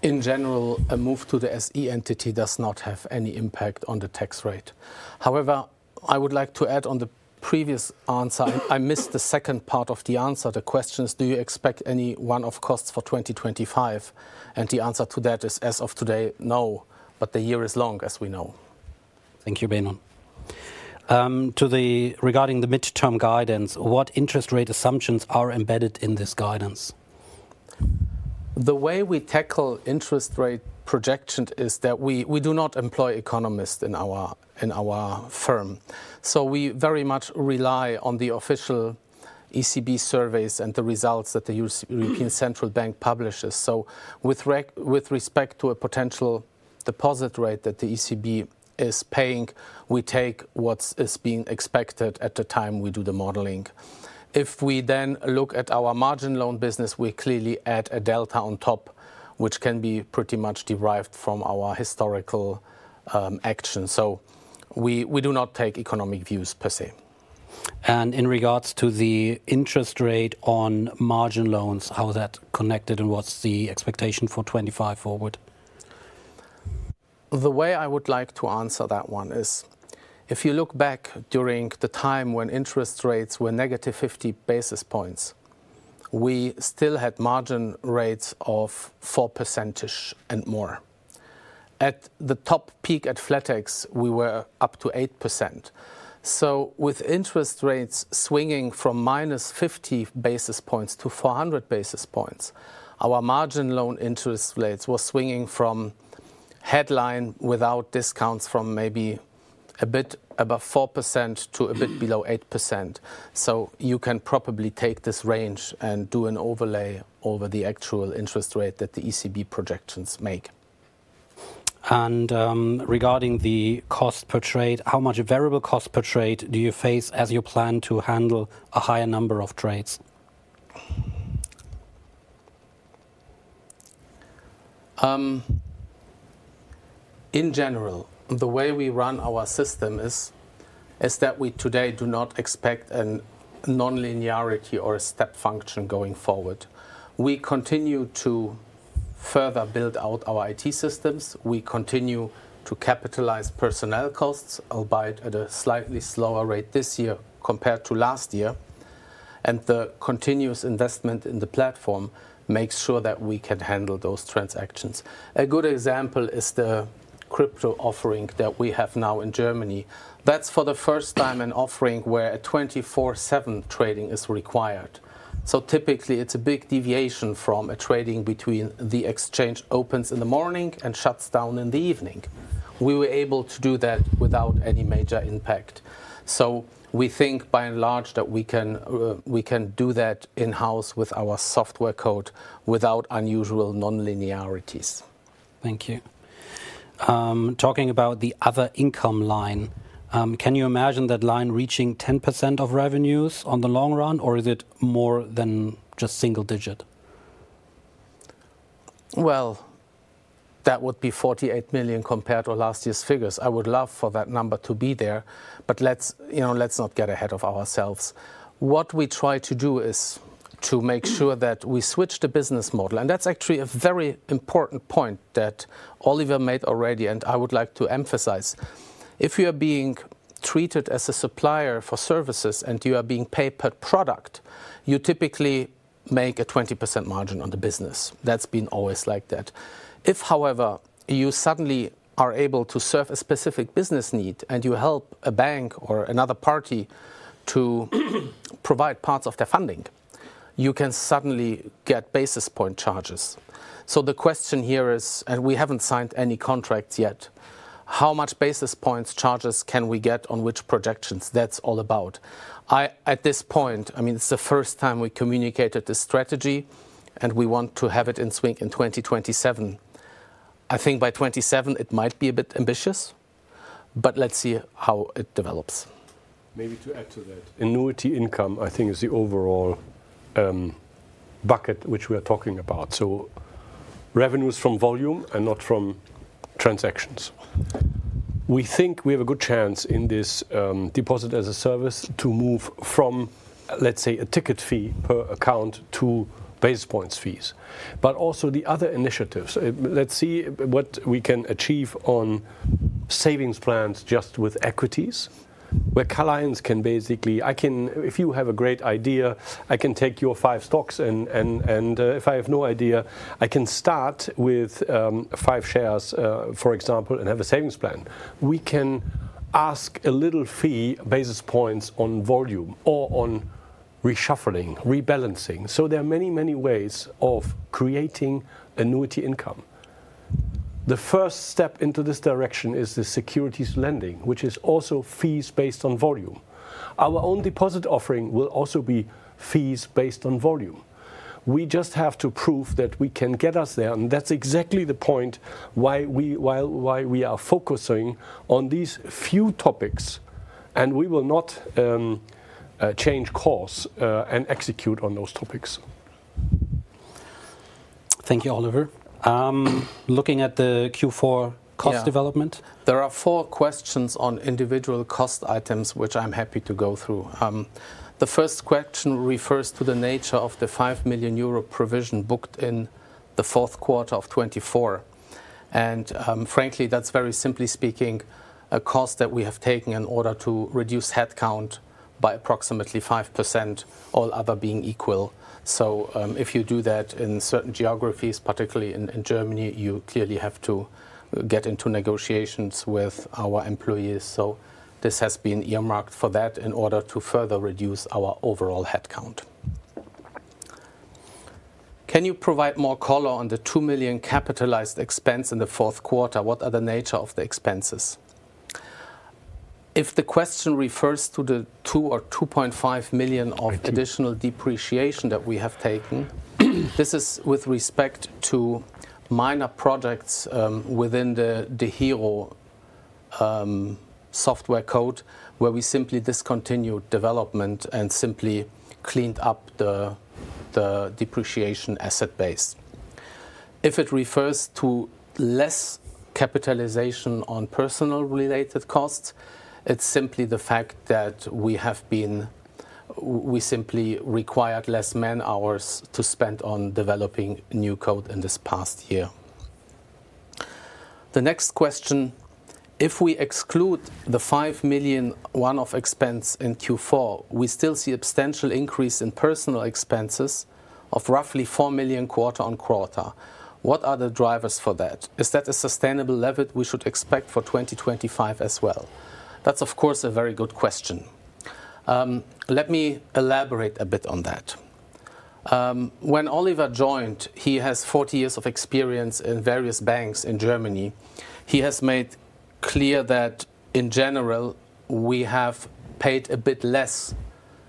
In general, a move to the SE entity does not have any impact on the tax rate. However, I would like to add on the previous answer. I missed the second part of the answer. The question is, do you expect any one-off costs for 2025? And the answer to that is, as of today, no, but the year is long, as we know. Thank you, Benon. Regarding the midterm guidance, what interest rate assumptions are embedded in this guidance? The way we tackle interest rate projection is that we do not employ economists in our firm. So we very much rely on the official ECB surveys and the results that the European Central Bank publishes. So with respect to a potential deposit rate that the ECB is paying, we take what is being expected at the time we do the modeling. If we then look at our margin loan business, we clearly add a delta on top, which can be pretty much derived from our historical action. So we do not take economic views per se. In regards to the interest rate on margin loans, how is that connected and what's the expectation for 2025 forward? The way I would like to answer that one is, if you look back during the time when interest rates were negative 50 basis points, we still had margin rates of 4% and more. At the top peak at flatex, we were up to 8%. So with interest rates swinging from minus 50 basis points to 400 basis points, our margin loan interest rates were swinging from headline without discounts from maybe a bit above 4% to a bit below 8%. So you can probably take this range and do an overlay over the actual interest rate that the ECB projections make. Regarding the cost per trade, how much variable cost per trade do you face as you plan to handle a higher number of trades? In general, the way we run our system is that we today do not expect a non-linearity or a step function going forward. We continue to further build out our IT systems. We continue to capitalize personnel costs, albeit at a slightly slower rate this year compared to last year. And the continuous investment in the platform makes sure that we can handle those transactions. A good example is the crypto offering that we have now in Germany. That's for the first time an offering where a 24/7 trading is required. So typically, it's a big deviation from a trading between the exchange opens in the morning and shuts down in the evening. We were able to do that without any major impact. So we think by and large that we can do that in-house with our software code without unusual non-linearities. Thank you. Talking about the other income line, can you imagine that line reaching 10% of revenues on the long run, or is it more than just single digit? That would be 48 million compared to last year's figures. I would love for that number to be there, but let's not get ahead of ourselves. What we try to do is to make sure that we switch the business model. That's actually a very important point that Oliver made already, and I would like to emphasize. If you are being treated as a supplier for services and you are being paid per product, you typically make a 20% margin on the business. That's been always like that. If, however, you suddenly are able to serve a specific business need and you help a bank or another party to provide parts of their funding, you can suddenly get basis point charges. So the question here is, and we haven't signed any contracts yet, how much basis points charges can we get on which projections? That's all about. At this point, I mean, it's the first time we communicated this strategy, and we want to have it in swing in 2027. I think by 2027, it might be a bit ambitious, but let's see how it develops. Maybe to add to that, annuity income, I think, is the overall bucket which we are talking about. So revenues from volume and not from transactions. We think we have a good chance in this Deposits as a Service to move from, let's say, a ticket fee per account to basis points fees. But also the other initiatives. Let's see what we can achieve on Savings plans just with equities, where clients can basically, I can, if you have a great idea, I can take your five stocks, and if I have no idea, I can start with five shares, for example, and have a savings plan. We can ask a little fee, basis points on volume or on reshuffling, rebalancing. So there are many, many ways of creating annuity income. The first step into this direction is the Securities lending, which is also fees based on volume. Our own deposit offering will also be fees based on volume. We just have to prove that we can get us there. And that's exactly the point why we are focusing on these few topics, and we will not change course and execute on those topics. Thank you, Oliver. Looking at the Q4 cost development. There are four questions on individual cost items, which I'm happy to go through. The first question refers to the nature of the 5 million euro provision booked in the fourth quarter of 2024, and frankly, that's very simply speaking, a cost that we have taken in order to reduce headcount by approximately 5%, all other being equal. So if you do that in certain geographies, particularly in Germany, you clearly have to get into negotiations with our employees. So this has been earmarked for that in order to further reduce our overall headcount. Can you provide more color on the 2 million capitalized expense in the fourth quarter? What are the nature of the expenses? If the question refers to the 2 or 2.5 million of additional depreciation that we have taken, this is with respect to minor projects within the DEGIRO software code, where we simply discontinued development and simply cleaned up the depreciation asset base. If it refers to less capitalization on personnel-related costs, it's simply the fact that we have been, we simply required less man-hours to spend on developing new code in this past year. The next question, if we exclude the 5 million one-off expense in Q4, we still see a substantial increase in personnel expenses of roughly 4 million quarter on quarter. What are the drivers for that? Is that a sustainable leverage we should expect for 2025 as well? That's, of course, a very good question. Let me elaborate a bit on that. When Oliver joined, he has 40 years of experience in various banks in Germany. He has made clear that in general, we have paid a bit less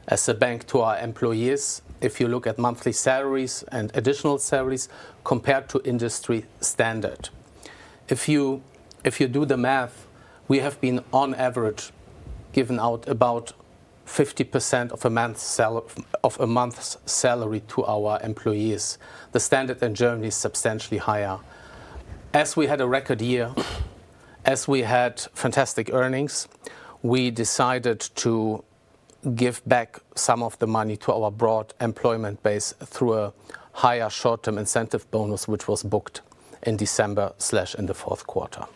as a bank to our employees, if you look at monthly salaries and additional salaries compared to industry standard. If you do the math, we have been, on average, given out about 50% of a month's salary to our employees. The standard in Germany is substantially higher. As we had a record year, as we had fantastic earnings, we decided to give back some of the money to our broad employment base through a higher short-term incentive bonus, which was booked in December in the fourth quarter.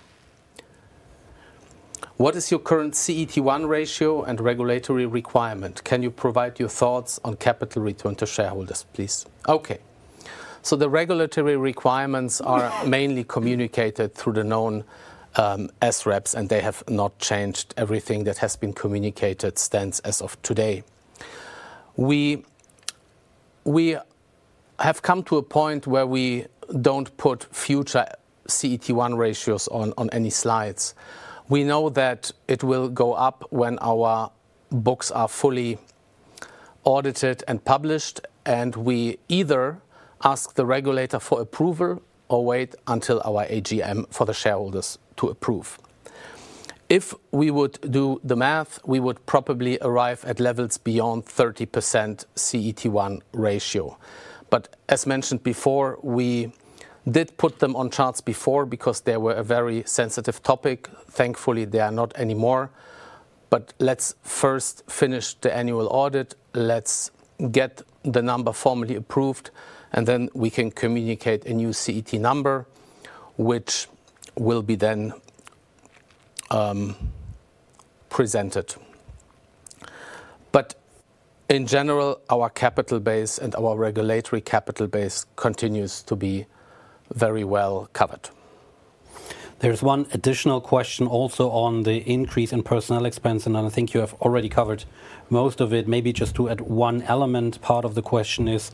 What is your current CET1 ratio and regulatory requirement? Can you provide your thoughts on capital return to shareholders, please? Okay. So the regulatory requirements are mainly communicated through the known SREPs, and they have not changed. Everything that has been communicated stands as of today. We have come to a point where we don't put future CET1 ratios on any slides. We know that it will go up when our books are fully audited and published, and we either ask the regulator for approval or wait until our AGM for the shareholders to approve. If we would do the math, we would probably arrive at levels beyond 30% CET1 ratio. But as mentioned before, we did put them on charts before because they were a very sensitive topic. Thankfully, they are not anymore. But let's first finish the annual audit. Let's get the number formally approved, and then we can communicate a new CET number, which will be then presented. But in general, our capital base and our regulatory capital base continues to be very well covered. There's one additional question also on the increase in personnel expense, and I think you have already covered most of it. Maybe just to add one element, part of the question is,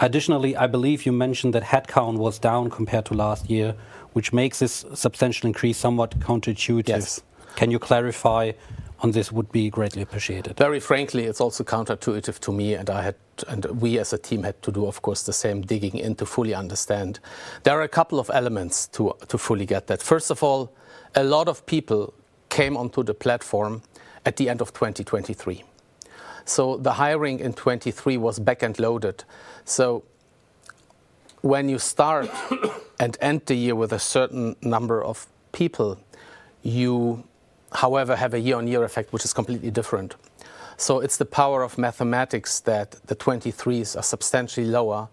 additionally, I believe you mentioned that headcount was down compared to last year, which makes this substantial increase somewhat counterintuitive. Can you clarify on this? Would be greatly appreciated. Very frankly, it's also counterintuitive to me, and we as a team had to do, of course, the same digging in to fully understand. There are a couple of elements to fully get that. First of all, a lot of people came onto the platform at the end of 2023. So the hiring in 2023 was back-end loaded. So when you start and end the year with a certain number of people, you, however, have a year-on-year effect, which is completely different. So it's the power of mathematics that the 2023s are substantially lower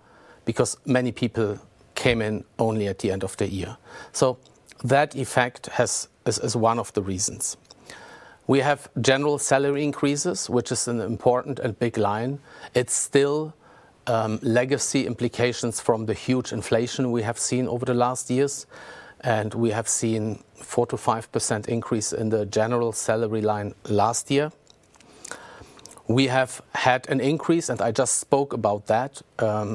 because many people came in only at the end of the year. So that effect is one of the reasons. We have general salary increases, which is an important and big line. It's still legacy implications from the huge inflation we have seen over the last years. And we have seen a 4% to 5% increase in the general salary line last year. We have had an increase, and I just spoke about that,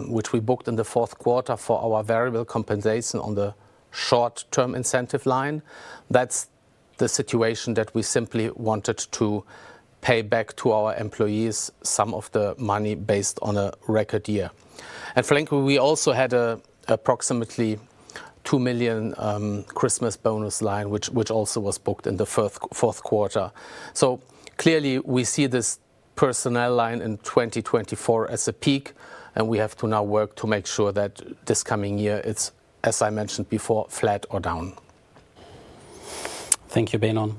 which we booked in the fourth quarter for our variable compensation on the short-term incentive line. That's the situation that we simply wanted to pay back to our employees some of the money based on a record year. And frankly, we also had an approximately 2 million Christmas bonus line, which also was booked in the fourth quarter. So clearly, we see this personnel line in 2024 as a peak, and we have to now work to make sure that this coming year is, as I mentioned before, flat or down. Thank you, Benon.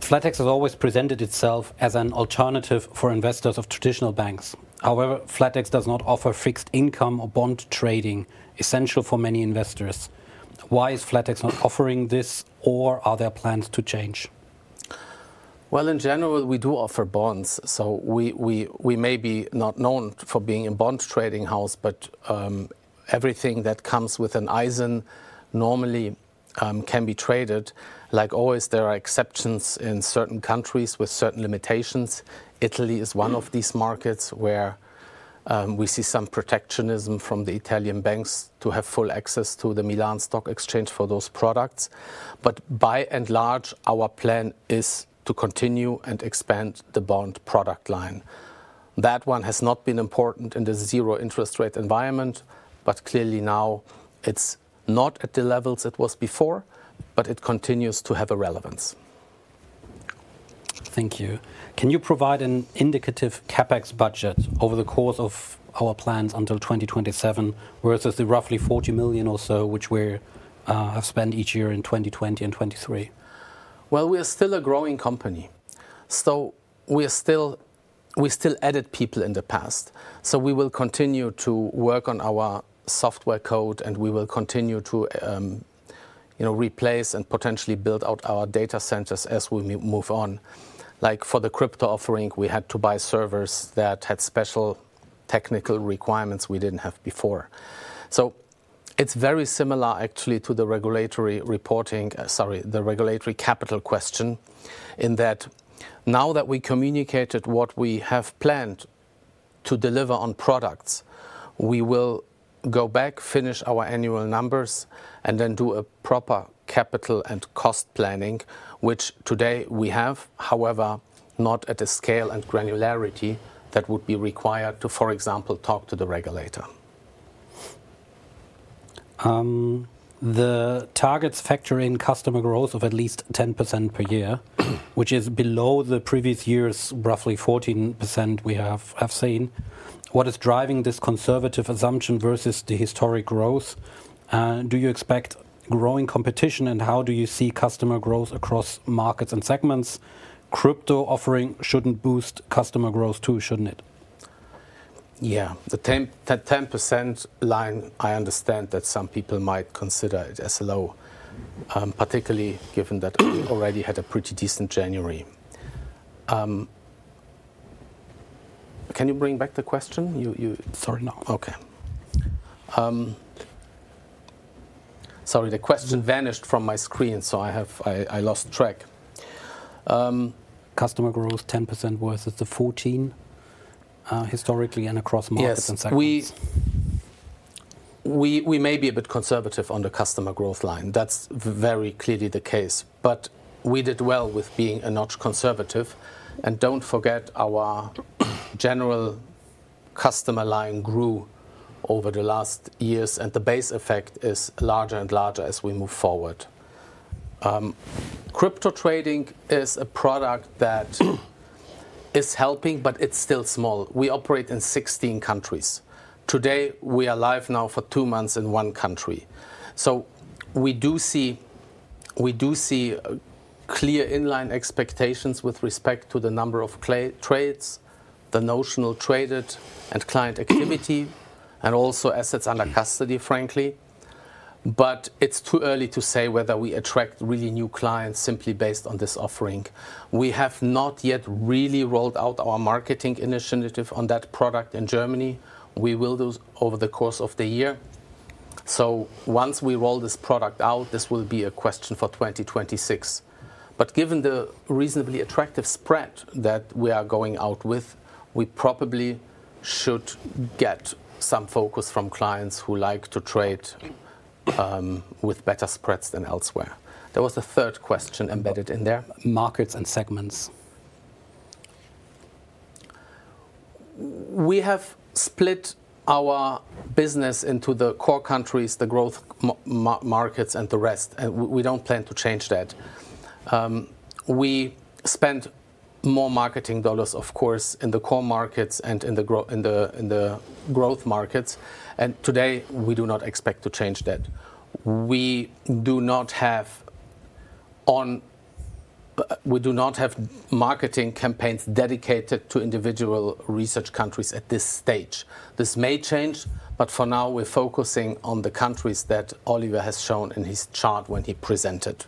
flatex has always presented itself as an alternative for investors of traditional banks. However, flatex does not offer fixed income or bond trading, essential for many investors. Why is flatex not offering this, or are there plans to change? In general, we do offer bonds. We may be not known for being a bond trading house, but everything that comes with an ISIN normally can be traded. Like always, there are exceptions in certain countries with certain limitations. Italy is one of these markets where we see some protectionism from the Italian banks to have full access to the Milan Stock Exchange for those products. By and large, our plan is to continue and expand the bond product line. That one has not been important in the zero interest rate environment, but clearly now it's not at the levels it was before, but it continues to have a relevance. Thank you. Can you provide an indicative CapEx budget over the course of our plans until 2027 versus the roughly 40 million or so which we have spent each year in 2020 and 2023? We are still a growing company. We still added people in the past. We will continue to work on our software code, and we will continue to replace and potentially build out our data centers as we move on. Like for the crypto offering, we had to buy servers that had special technical requirements we didn't have before. It's very similar actually to the regulatory reporting, sorry, the regulatory capital question in that now that we communicated what we have planned to deliver on products, we will go back, finish our annual numbers, and then do a proper capital and cost planning, which today we have, however, not at the scale and granularity that would be required to, for example, talk to the regulator. The targets factor in customer growth of at least 10% per year, which is below the previous year's roughly 14% we have seen. What is driving this conservative assumption versus the historic growth? Do you expect growing competition, and how do you see customer growth across markets and segments? Crypto offering shouldn't boost customer growth too, shouldn't it? Yeah, the 10% line, I understand that some people might consider it as low, particularly given that we already had a pretty decent January. Can you bring back the question? You. Sorry, no. Okay. Sorry, the question vanished from my screen, so I lost track. Customer growth 10% versus the 14% historically and across markets and segments. Yes, we may be a bit conservative on the customer growth line. That's very clearly the case, but we did well with being a notch conservative, and don't forget our general customer line grew over the last years, and the base effect is larger and larger as we move forward. Crypto trading is a product that is helping, but it's still small. We operate in 16 countries. Today, we are live now for two months in one country, so we do see clear inline expectations with respect to the number of trades, the notional traded, and client activity, and also assets under custody, frankly, but it's too early to say whether we attract really new clients simply based on this offering. We have not yet really rolled out our marketing initiative on that product in Germany. We will do so over the course of the year. So once we roll this product out, this will be a question for 2026. But given the reasonably attractive spread that we are going out with, we probably should get some focus from clients who like to trade with better spreads than elsewhere. There was a third question embedded in there. Markets and segments. We have split our business into the core countries, the growth markets, and the rest. We don't plan to change that. We spend more marketing dollars, of course, in the core markets and in the growth markets. And today, we do not expect to change that. We do not have marketing campaigns dedicated to individual rest countries at this stage. This may change, but for now, we're focusing on the countries that Oliver has shown in his chart when he presented.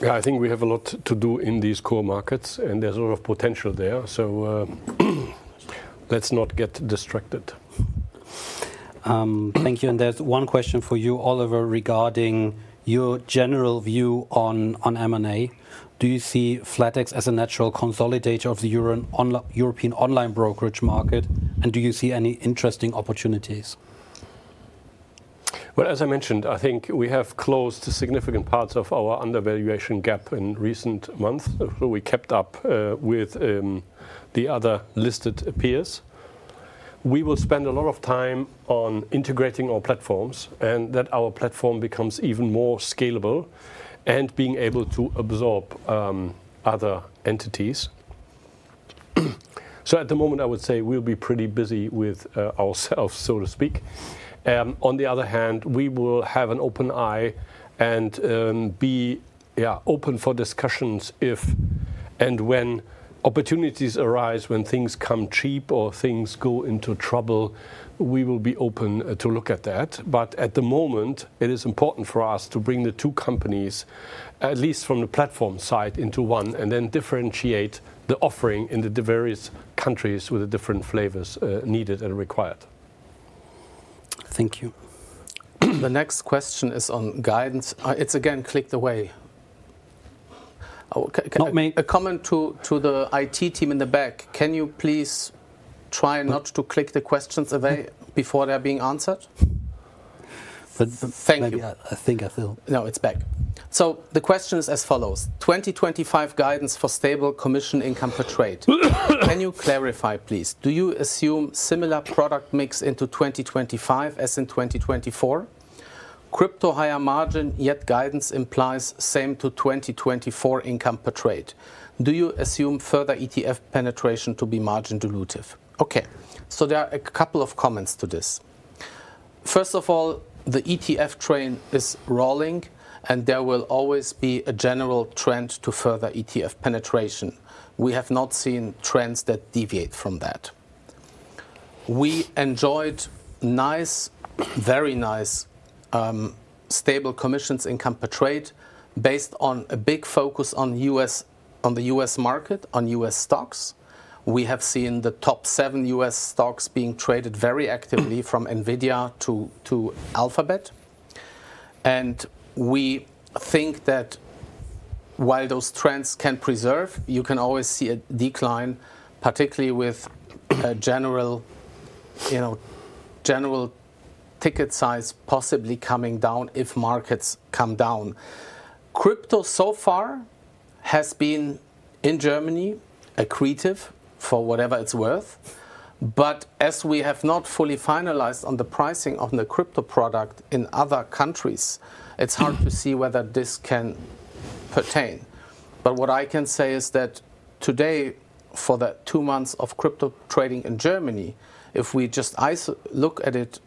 Yeah, I think we have a lot to do in these core markets, and there's a lot of potential there. So let's not get distracted. Thank you. And there's one question for you, Oliver, regarding your general view on M&A. Do you see flatex as a natural consolidator of the European online brokerage market, and do you see any interesting opportunities? As I mentioned, I think we have closed significant parts of our undervaluation gap in recent months. We kept up with the other listed peers. We will spend a lot of time on integrating our platforms and that our platform becomes even more scalable and being able to absorb other entities. At the moment, I would say we'll be pretty busy with ourselves, so to speak. On the other hand, we will have an open eye and be open for discussions if and when opportunities arise, when things come cheap or things go into trouble, we will be open to look at that. At the moment, it is important for us to bring the two companies, at least from the platform side, into one and then differentiate the offering in the various countries with the different flavors needed and required. Thank you. The next question is on guidance. It's again clicked away. A comment to the IT team in the back. Can you please try not to click the questions away before they're being answered? Thank you. I think I feel. No, it's back. The question is as follows: 2025 guidance for stable commission income for trade. Can you clarify, please? Do you assume similar product mix into 2025 as in 2024? Crypto higher margin, yet guidance implies same to 2024 income per trade. Do you assume further ETF penetration to be margin-dilutive? Okay. There are a couple of comments to this. First of all, the ETF train is rolling, and there will always be a general trend to further ETF penetration. We have not seen trends that deviate from that. We enjoyed nice, very nice stable commission income per trade based on a big focus on the U.S. market, on U.S. stocks. We have seen the top seven U.S. stocks being traded very actively from NVIDIA to Alphabet. And we think that while those trends can persevere, you can always see a decline, particularly with a general ticket size possibly coming down if markets come down. Crypto so far has been in Germany accretive for whatever it's worth. But as we have not fully finalized on the pricing of the crypto product in other countries, it's hard to see whether this can pertain. But what I can say is that today, for the two months of crypto trading in Germany, if we just look at it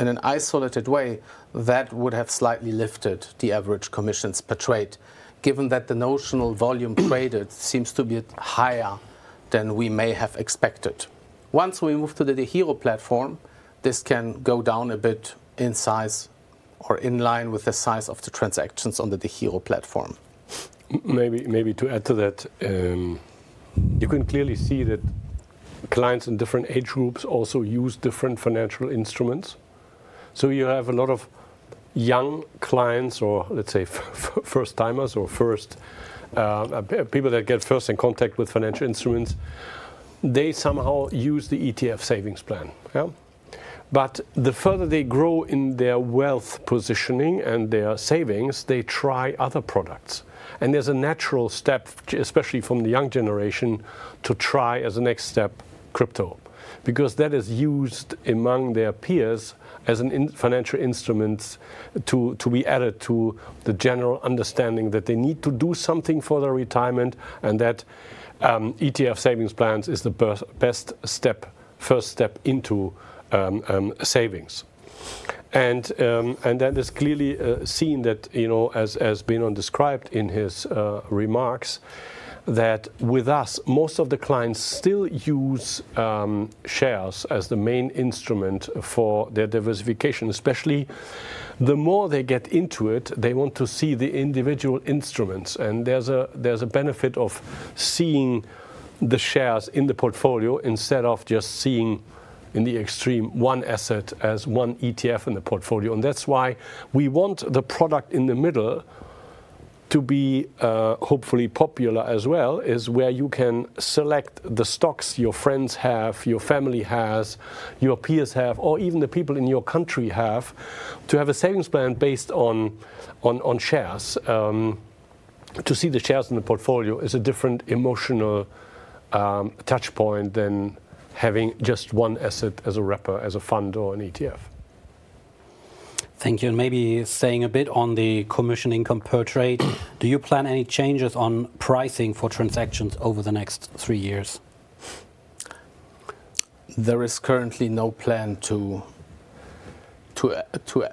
in an isolated way, that would have slightly lifted the average commissions per trade, given that the notional volume traded seems to be higher than we may have expected. Once we move to the DEGIRO platform, this can go down a bit in size or in line with the size of the transactions on the DEGIRO platform. Maybe to add to that, you can clearly see that clients in different age groups also use different financial instruments. So you have a lot of young clients or, let's say, first-timers or first people that get first in contact with financial instruments. They somehow use the ETF savings plan. But the further they grow in their wealth positioning and their savings, they try other products, and there's a natural step, especially from the young generation, to try as a next step crypto because that is used among their peers as financial instruments to be added to the general understanding that they need to do something for their retirement and that ETF Savings plans is the best step, first step into savings. And then it's clearly seen that, as Benon described in his remarks, that with us, most of the clients still use shares as the main instrument for their diversification, especially the more they get into it, they want to see the individual instruments. And there's a benefit of seeing the shares in the portfolio instead of just seeing in the extreme one asset as one ETF in the portfolio. And that's why we want the product in the middle to be hopefully popular as well, is where you can select the stocks your friends have, your family has, your peers have, or even the people in your country have to have a savings plan based on shares. To see the shares in the portfolio is a different emotional touchpoint than having just one asset as a wrapper, as a fund or an ETF. Thank you, and maybe staying a bit on the commission income per trade, do you plan any changes on pricing for transactions over the next three years? There is currently no plan to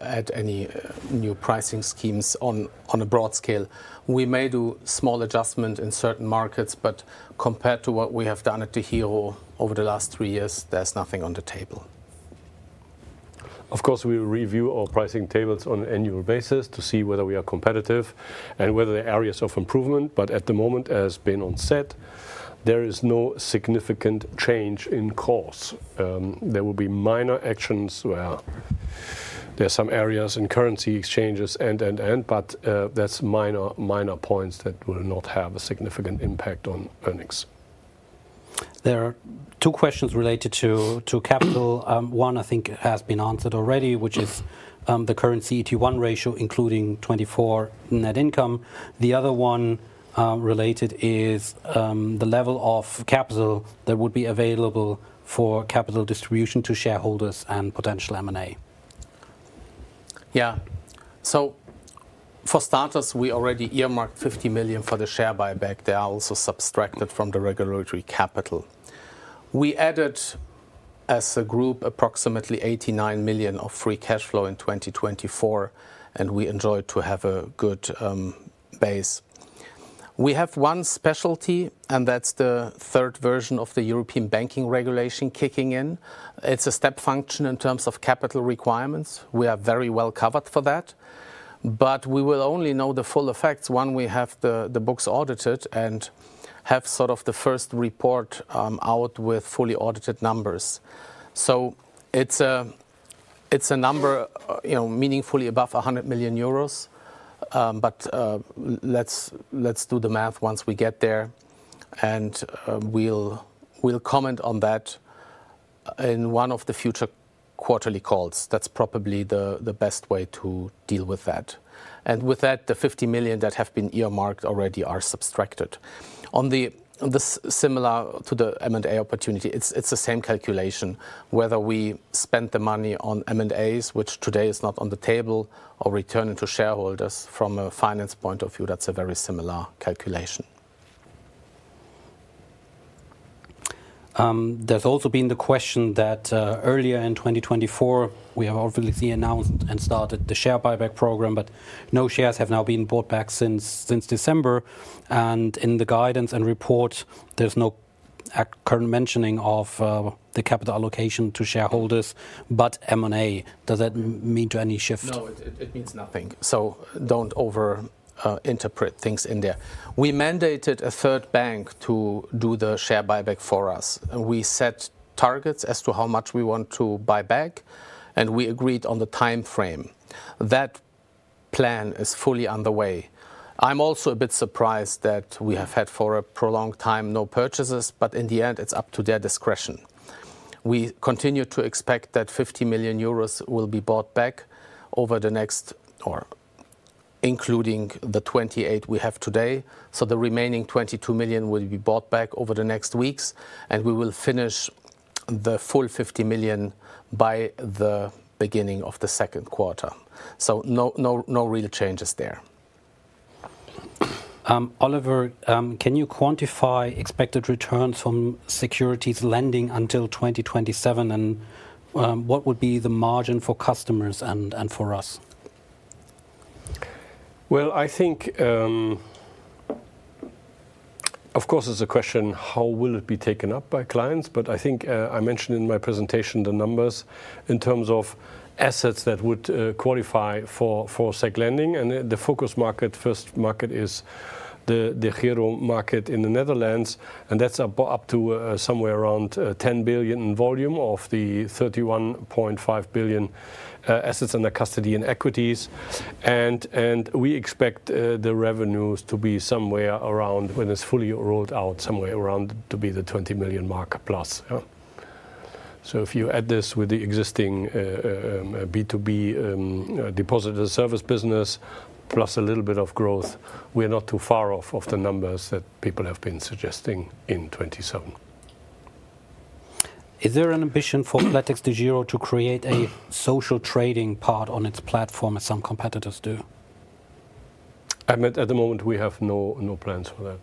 add any new pricing schemes on a broad scale. We may do small adjustments in certain markets, but compared to what we have done at DEGIRO over the last three years, there's nothing on the table. Of course, we review our pricing tables on an annual basis to see whether we are competitive and whether there are areas of improvement. But at the moment, as Benon said, there is no significant change in course. There will be minor actions where there are some areas in currency exchanges and, but that's minor points that will not have a significant impact on earnings. There are two questions related to capital. One, I think, has been answered already, which is the current CET1 ratio, including 2024 net income. The other one related is the level of capital that would be available for capital distribution to shareholders and potential M&A. Yeah. So for starters, we already earmarked 50 million for the share buyback. They are also subtracted from the regulatory capital. We added as a group approximately 89 million of free cash flow in 2024, and we enjoyed to have a good base. We have one specialty, and that's the third version of the European banking regulation kicking in. It's a step function in terms of capital requirements. We are very well covered for that. But we will only know the full effects when we have the books audited and have sort of the first report out with fully audited numbers. So it's a number meaningfully above 100 million euros. But let's do the math once we get there, and we'll comment on that in one of the future quarterly calls. That's probably the best way to deal with that. With that, the 50 million that have been earmarked already are subtracted. Similar to the M&A opportunity, it's the same calculation. Whether we spend the money on M&As, which today is not on the table, or return it to shareholders from a finance point of view, that's a very similar calculation. There's also been the question that earlier in 2024, we have obviously announced and started the share buyback program, but no shares have now been bought back since December. And in the guidance and report, there's no current mentioning of the capital allocation to shareholders, but M&A. Does that mean to any shift? No, it means nothing. So don't overinterpret things in there. We mandated a third bank to do the share buyback for us. We set targets as to how much we want to buy back, and we agreed on the timeframe. That plan is fully underway. I'm also a bit surprised that we have had for a prolonged time no purchases, but in the end, it's up to their discretion. We continue to expect that 50 million euros will be bought back over the next, including the 28 we have today. So the remaining 22 million will be bought back over the next weeks, and we will finish the full 50 million by the beginning of the second quarter. So no real changes there. Oliver, can you quantify expected returns from Securities lending until 2027, and what would be the margin for customers and for us? I think, of course, it's a question how will it be taken up by clients. But I think I mentioned in my presentation the numbers in terms of assets that would qualify for Securities lending. The focus market, first market is the DEGIRO market in the Netherlands. That's up to somewhere around 10 billion in volume of the 31.5 billion assets under custody and equities. We expect the revenues to be somewhere around, when it's fully rolled out, somewhere around to be the 20 million mark plus. If you add this with the existing B2B depositor service business plus a little bit of growth, we're not too far off of the numbers that people have been suggesting in 2027. Is there an ambition for flatexDEGIRO to create a social trading part on its platform as some competitors do? At the moment, we have no plans for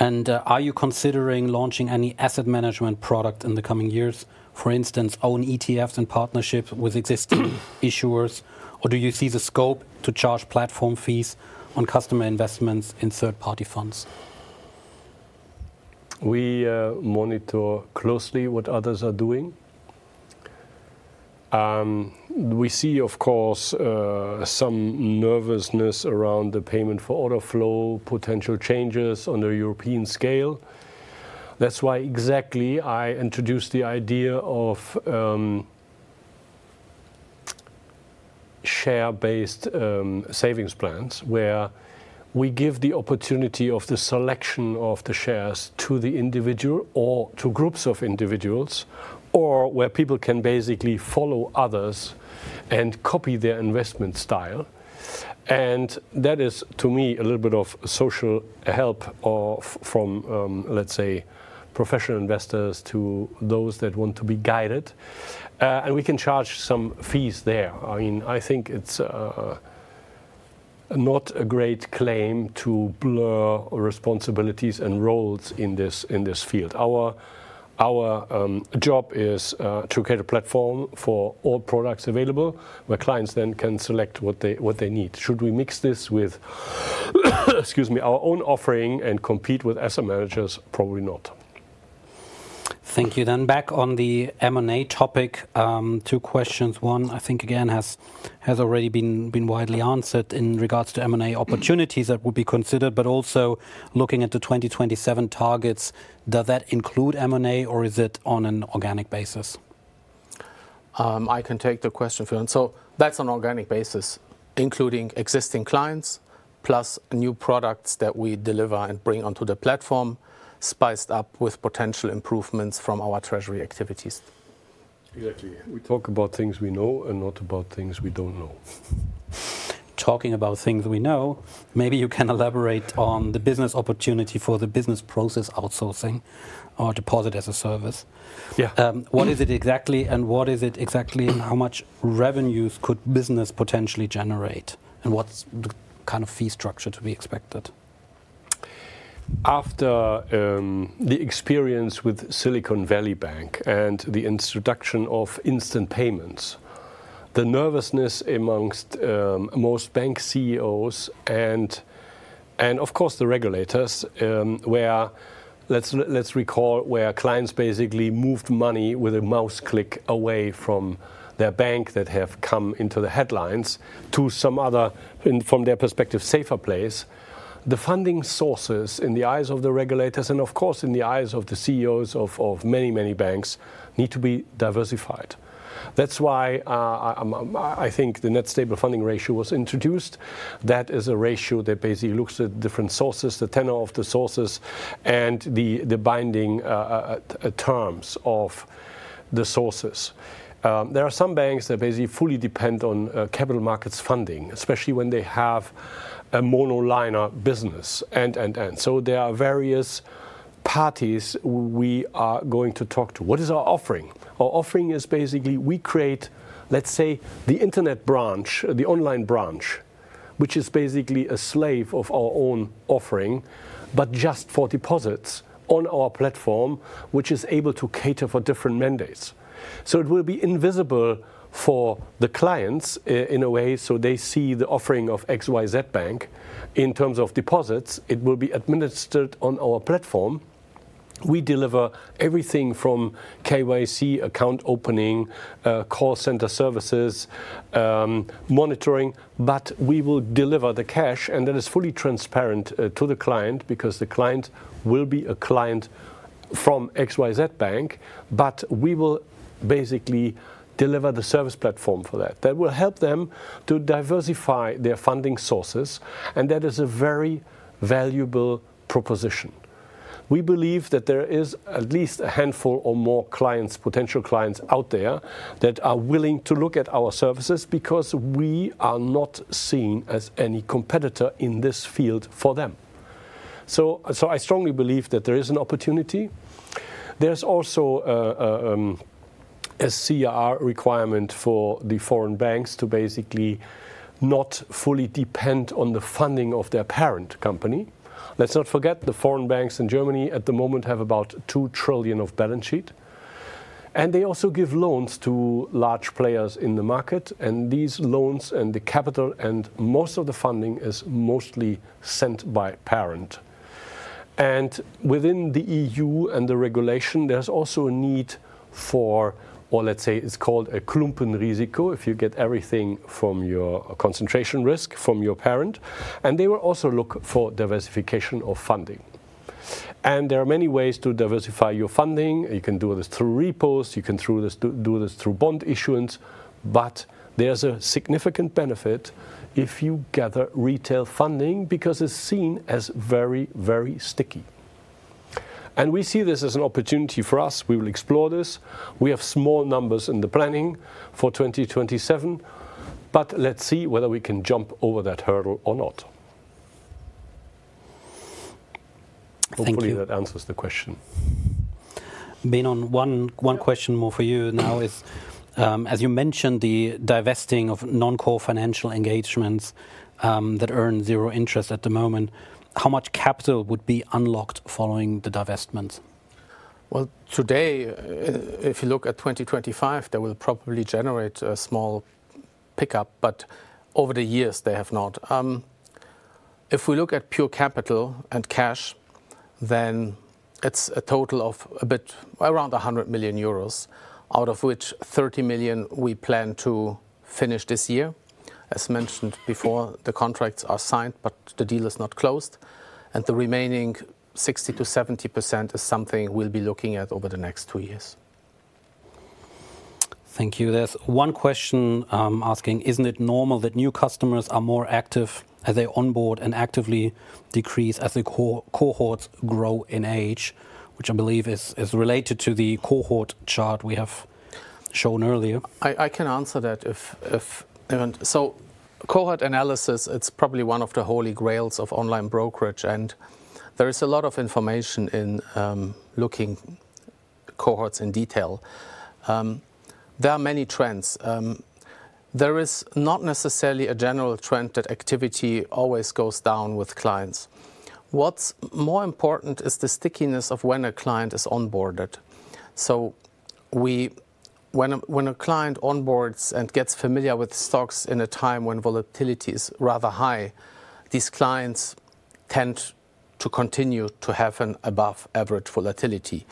that. Are you considering launching any asset management product in the coming years, for instance, own ETFs in partnership with existing issuers, or do you see the scope to charge platform fees on customer investments in third-party funds? We monitor closely what others are doing. We see, of course, some nervousness around the Payment for Order Flow, potential changes on the European scale. That's why exactly I introduced the idea of share-based Savings plans where we give the opportunity of the selection of the shares to the individual or to groups of individuals or where people can basically follow others and copy their investment style. And that is, to me, a little bit of social help from, let's say, professional investors to those that want to be guided. And we can charge some fees there. I mean, I think it's not a great claim to blur responsibilities and roles in this field. Our job is to create a platform for all products available where clients then can select what they need. Should we mix this with, excuse me, our own offering and compete with asset managers? Probably not. Thank you. Then back on the M&A topic, two questions. One, I think again has already been widely answered in regards to M&A opportunities that will be considered, but also looking at the 2027 targets. Does that include M&A or is it on an organic basis? I can take the question for you. So that's on an organic basis, including existing clients plus new products that we deliver and bring onto the platform spiced up with potential improvements from our treasury activities. Exactly. We talk about things we know and not about things we don't know. Talking about things we know, maybe you can elaborate on the business opportunity for the business process outsourcing or deposit as a service. What is it exactly and how much revenues could business potentially generate and what's the kind of fee structure to be expected? After the experience with Silicon Valley Bank and the introduction of instant payments, the nervousness among most bank CEOs and, of course, the regulators, where, let's recall, where clients basically moved money with a mouse click away from their bank that have come into the headlines to some other, from their perspective, safer place. The funding sources in the eyes of the regulators and, of course, in the eyes of the CEOs of many, many banks need to be diversified. That's why I think the Net Stable Funding Ratio was introduced. That is a ratio that basically looks at different sources, the tenor of the sources, and the binding terms of the sources. There are some banks that basically fully depend on capital markets funding, especially when they have a monoline business, and. So there are various parties we are going to talk to. What is our offering? Our offering is basically we create, let's say, the internet branch, the online branch, which is basically a slave of our own offering, but just for deposits on our platform, which is able to cater for different mandates. So it will be invisible for the clients in a way. So they see the offering of XYZ Bank in terms of deposits. It will be administered on our platform. We deliver everything from KYC, account opening, call center services, monitoring, but we will deliver the cash. And that is fully transparent to the client because the client will be a client from XYZ Bank, but we will basically deliver the service platform for that. That will help them to diversify their funding sources. And that is a very valuable proposition. We believe that there is at least a handful or more clients, potential clients out there that are willing to look at our services because we are not seen as any competitor in this field for them. So I strongly believe that there is an opportunity. There's also a CR requirement for the foreign banks to basically not fully depend on the funding of their parent company. Let's not forget the foreign banks in Germany at the moment have about 2 trillion of balance sheet. And they also give loans to large players in the market. And these loans and the capital and most of the funding is mostly sent by parent. And within the EU and the regulation, there's also a need for, or let's say it's called a Klumpenrisiko, if you get everything from your concentration risk from your parent. They will also look for diversification of funding. There are many ways to diversify your funding. You can do this through repos. You can do this through bond issuance. But there's a significant benefit if you gather retail funding because it's seen as very, very sticky. We see this as an opportunity for us. We will explore this. We have small numbers in the planning for 2027, but let's see whether we can jump over that hurdle or not. Hopefully, that answers the question. Benon, one question more for you now. As you mentioned, the divesting of non-core financial engagements that earn zero interest at the moment, how much capital would be unlocked following the divestment? Today, if you look at 2025, they will probably generate a small pickup, but over the years, they have not. If we look at pure capital and cash, then it's a total of a bit around 100 million euros, out of which 30 million we plan to finish this year. As mentioned before, the contracts are signed, but the deal is not closed. The remaining 60% to 70% is something we'll be looking at over the next two years. Thank you. There's one question asking, isn't it normal that new customers are more active as they onboard and actively decrease as the cohorts grow in age, which I believe is related to the cohort chart we have shown earlier? I can answer that. So, cohort analysis, it's probably one of the holy grails of online brokerage, and there is a lot of information in looking cohorts in detail. There are many trends. There is not necessarily a general trend that activity always goes down with clients. What's more important is the stickiness of when a client is onboarded. So when a client onboards and gets familiar with stocks in a time when volatility is rather high, these clients tend to continue to have an above-average volatility.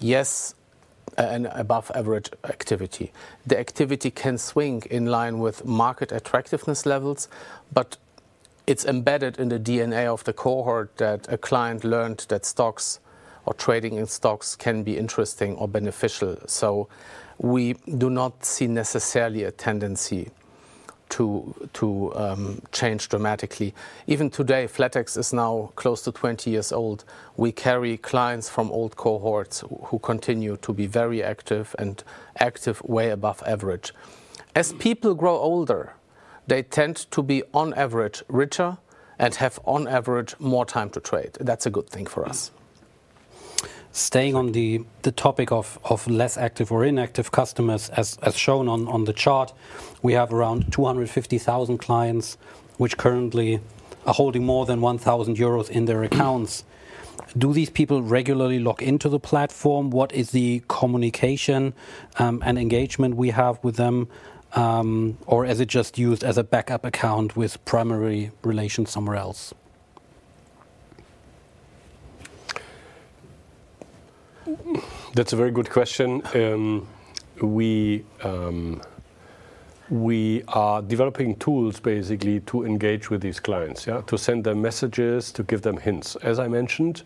Yes, an above-average activity. The activity can swing in line with market attractiveness levels, but it's embedded in the DNA of the cohort that a client learned that stocks or trading in stocks can be interesting or beneficial. So we do not see necessarily a tendency to change dramatically. Even today, flatex is now close to 20 years old. We carry clients from old cohorts who continue to be very active and active way above average. As people grow older, they tend to be on average richer and have on average more time to trade. That's a good thing for us. Staying on the topic of less active or inactive customers, as shown on the chart, we have around 250,000 clients which currently are holding more than 1,000 euros in their accounts. Do these people regularly log into the platform? What is the communication and engagement we have with them, or is it just used as a backup account with primary relations somewhere else? That's a very good question. We are developing tools basically to engage with these clients, to send them messages, to give them hints. As I mentioned,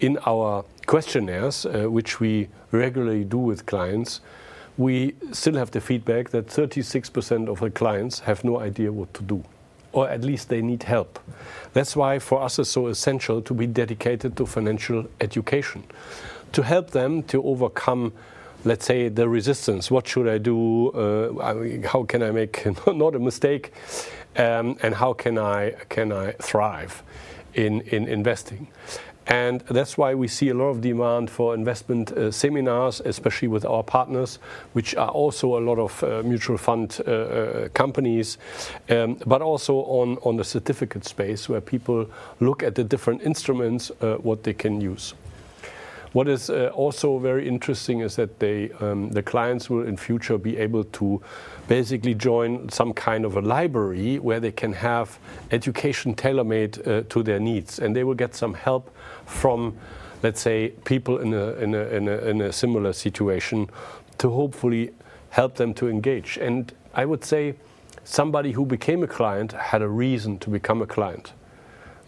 in our questionnaires, which we regularly do with clients, we still have the feedback that 36% of our clients have no idea what to do, or at least they need help. That's why for us it's so essential to be dedicated to financial education, to help them to overcome, let's say, the resistance. What should I do? How can I make not a mistake? And how can I thrive in investing? And that's why we see a lot of demand for investment seminars, especially with our partners, which are also a lot of mutual fund companies, but also on the certificate space where people look at the different instruments, what they can use. What is also very interesting is that the clients will in future be able to basically join some kind of a library where they can have education tailor-made to their needs, and they will get some help from, let's say, people in a similar situation to hopefully help them to engage, and I would say somebody who became a client had a reason to become a client.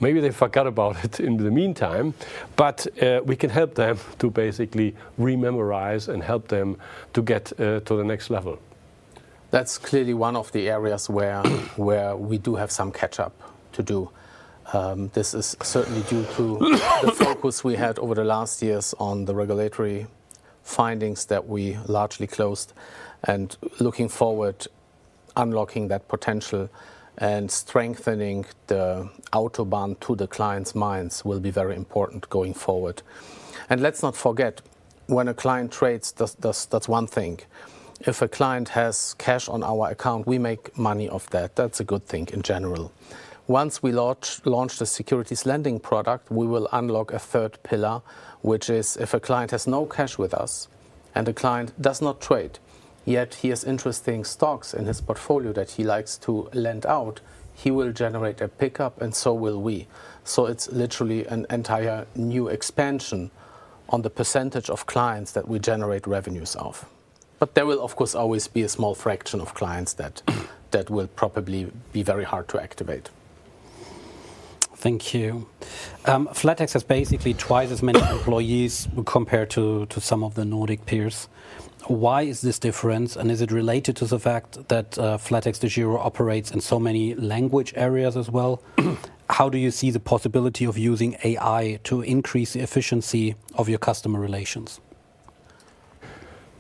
Maybe they forgot about it in the meantime, but we can help them to basically rememorize and help them to get to the next level. That's clearly one of the areas where we do have some catch-up to do. This is certainly due to the focus we had over the last years on the regulatory findings that we largely closed. And looking forward, unlocking that potential and strengthening the autobahn to the clients' minds will be very important going forward. And let's not forget, when a client trades, that's one thing. If a client has cash on our account, we make money off that. That's a good thing in general. Once we launch the Securities lending product, we will unlock a third pillar, which is if a client has no cash with us and the client does not trade, yet he has interesting stocks in his portfolio that he likes to lend out, he will generate a pickup and so will we. So it's literally an entire new expansion on the percentage of clients that we generate revenues off. But there will, of course, always be a small fraction of clients that will probably be very hard to activate. Thank you. flatex has basically twice as many employees compared to some of the Nordic peers. Why is this difference? And is it related to the fact that flatexDEGIRO operates in so many language areas as well? How do you see the possibility of using AI to increase the efficiency of your customer relations?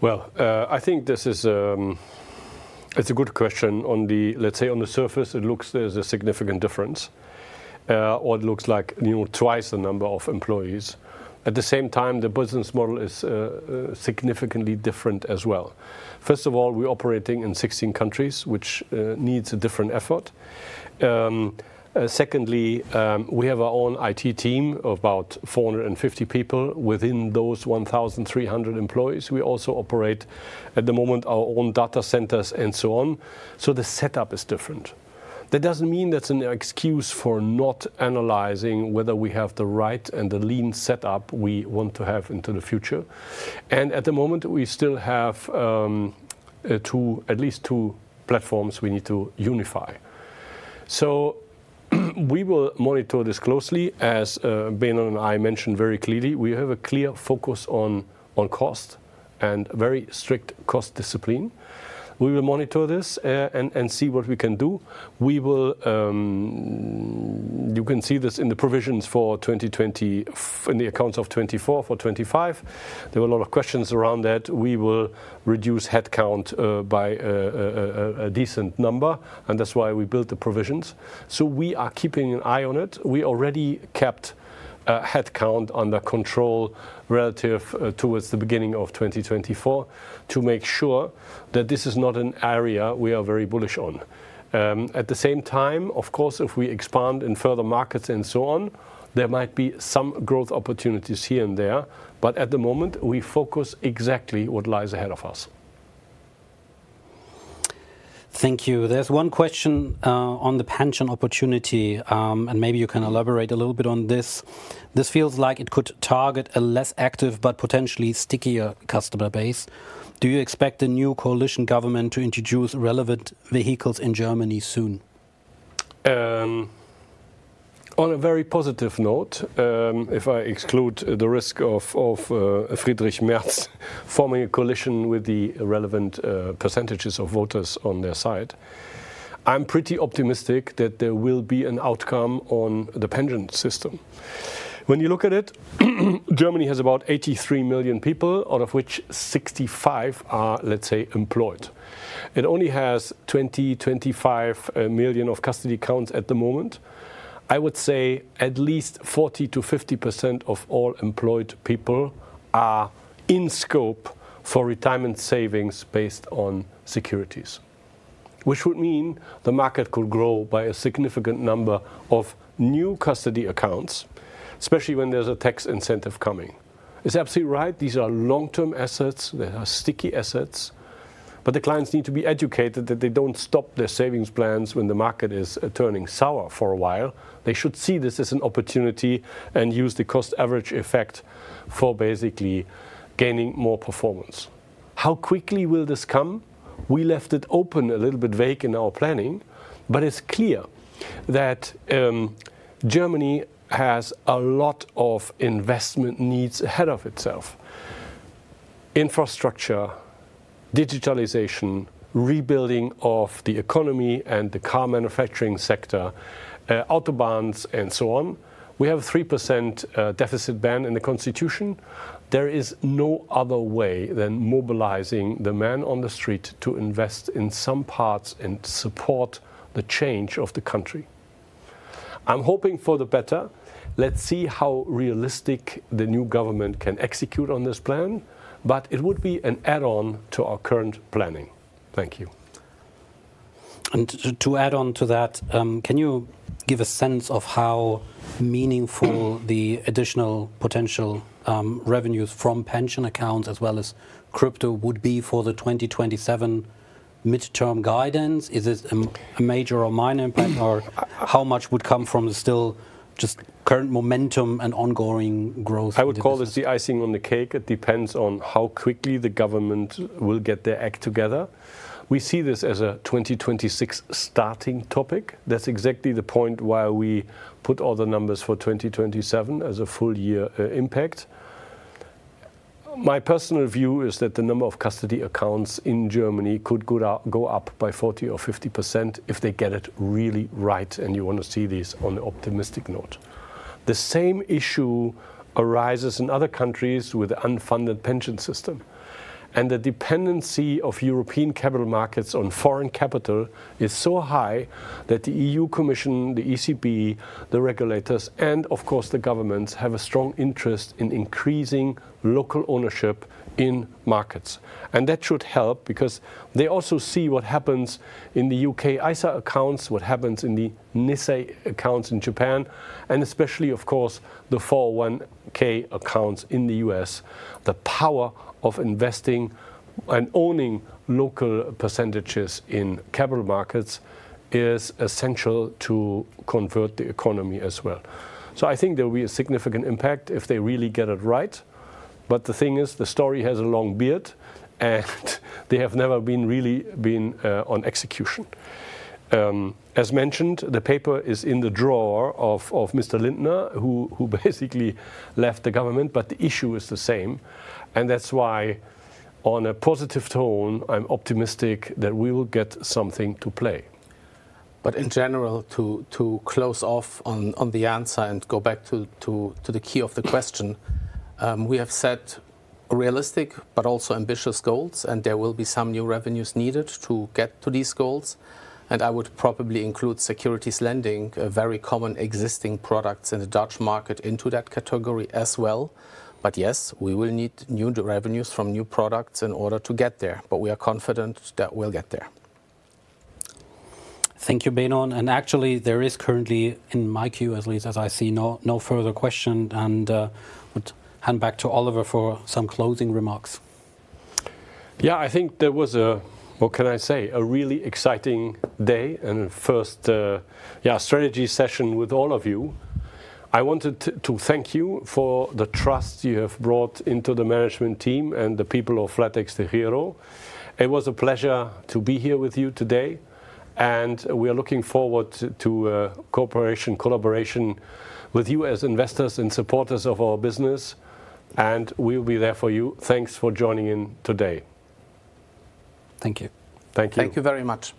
I think this is a good question. Let's say on the surface, it looks like there's a significant difference, or it looks like twice the number of employees. At the same time, the business model is significantly different as well. First of all, we're operating in 16 countries, which needs a different effort. Secondly, we have our own IT team, about 450 people within those 1,300 employees. We also operate at the moment our own data centers and so on. The setup is different. That doesn't mean that's an excuse for not analyzing whether we have the right and the lean setup we want to have into the future. At the moment, we still have at least two platforms we need to unify. We will monitor this closely. As Benon and I mentioned very clearly, we have a clear focus on cost and very strict cost discipline. We will monitor this and see what we can do. You can see this in the provisions for 2020, in the accounts of 2024 for 2025. There were a lot of questions around that. We will reduce headcount by a decent number, and that's why we built the provisions. So we are keeping an eye on it. We already kept headcount under control relative towards the beginning of 2024 to make sure that this is not an area we are very bullish on. At the same time, of course, if we expand in further markets and so on, there might be some growth opportunities here and there. But at the moment, we focus exactly on what lies ahead of us. Thank you. There's one question on the pension opportunity, and maybe you can elaborate a little bit on this. This feels like it could target a less active, but potentially stickier customer base. Do you expect the new coalition government to introduce relevant vehicles in Germany soon? On a very positive note, if I exclude the risk of Friedrich Merz forming a coalition with the relevant percentages of voters on their side, I'm pretty optimistic that there will be an outcome on the pension system. When you look at it, Germany has about 83 million people, out of which 65 are, let's say, employed. It only has 20-25 million custody accounts at the moment. I would say at least 40% to 50% of all employed people are in scope for retirement savings based on securities, which would mean the market could grow by a significant number of new custody accounts, especially when there's a tax incentive coming. It's absolutely right. These are long-term assets. They are sticky assets. But the clients need to be educated that they don't stop their Savings plans when the market is turning sour for a while. They should see this as an opportunity and use the cost average effect for basically gaining more performance. How quickly will this come? We left it open, a little bit vague in our planning, but it's clear that Germany has a lot of investment needs ahead of itself: infrastructure, digitalization, rebuilding of the economy and the car manufacturing sector, autobahns, and so on. We have a 3% deficit ban in the constitution. There is no other way than mobilizing the man on the street to invest in some parts and support the change of the country. I'm hoping for the better. Let's see how realistic the new government can execute on this plan, but it would be an add-on to our current planning. Thank you. To add on to that, can you give a sense of how meaningful the additional potential revenues from pension accounts as well as crypto would be for the 2027 midterm guidance? Is it a major or minor impact, or how much would come from still just current momentum and ongoing growth? I would call this the icing on the cake. It depends on how quickly the government will get their act together. We see this as a 2026 starting topic. That's exactly the point why we put all the numbers for 2027 as a full-year impact. My personal view is that the number of custody accounts in Germany could go up by 40% or 50% if they get it really right, and you want to see this on the optimistic note. The same issue arises in other countries with an unfunded pension system, and the dependency of European capital markets on foreign capital is so high that the EU Commission, the ECB, the regulators, and of course, the governments have a strong interest in increasing local ownership in markets. And that should help because they also see what happens in the U.K. ISA accounts, what happens in the NISA accounts in Japan, and especially, of course, the 401(k) accounts in the US. The power of investing and owning local percentages in capital markets is essential to convert the economy as well. So I think there will be a significant impact if they really get it right. But the thing is, the story has a long beard, and they have never really been on execution. As mentioned, the paper is in the drawer of Mr. Lindner, who basically left the government, but the issue is the same. And that's why, on a positive tone, I'm optimistic that we will get something to play. In general, to close off on the answer and go back to the key of the question, we have set realistic but also ambitious goals, and there will be some new revenues needed to get to these goals. I would probably include Securities lending, a very common existing product in the Dutch market, into that category as well. Yes, we will need new revenues from new products in order to get there. We are confident that we'll get there. Thank you, Benon. Actually, there is currently, in my queue, at least as I see, no further questions. I would hand back to Oliver for some closing remarks. Yeah, I think there was a, what can I say, a really exciting day and first strategy session with all of you. I wanted to thank you for the trust you have brought into the management team and the people of flatexDEGIRO. It was a pleasure to be here with you today, and we are looking forward to cooperation, collaboration with you as investors and supporters of our business, and we will be there for you. Thanks for joining in today. Thank you. Thank you. Thank you very much.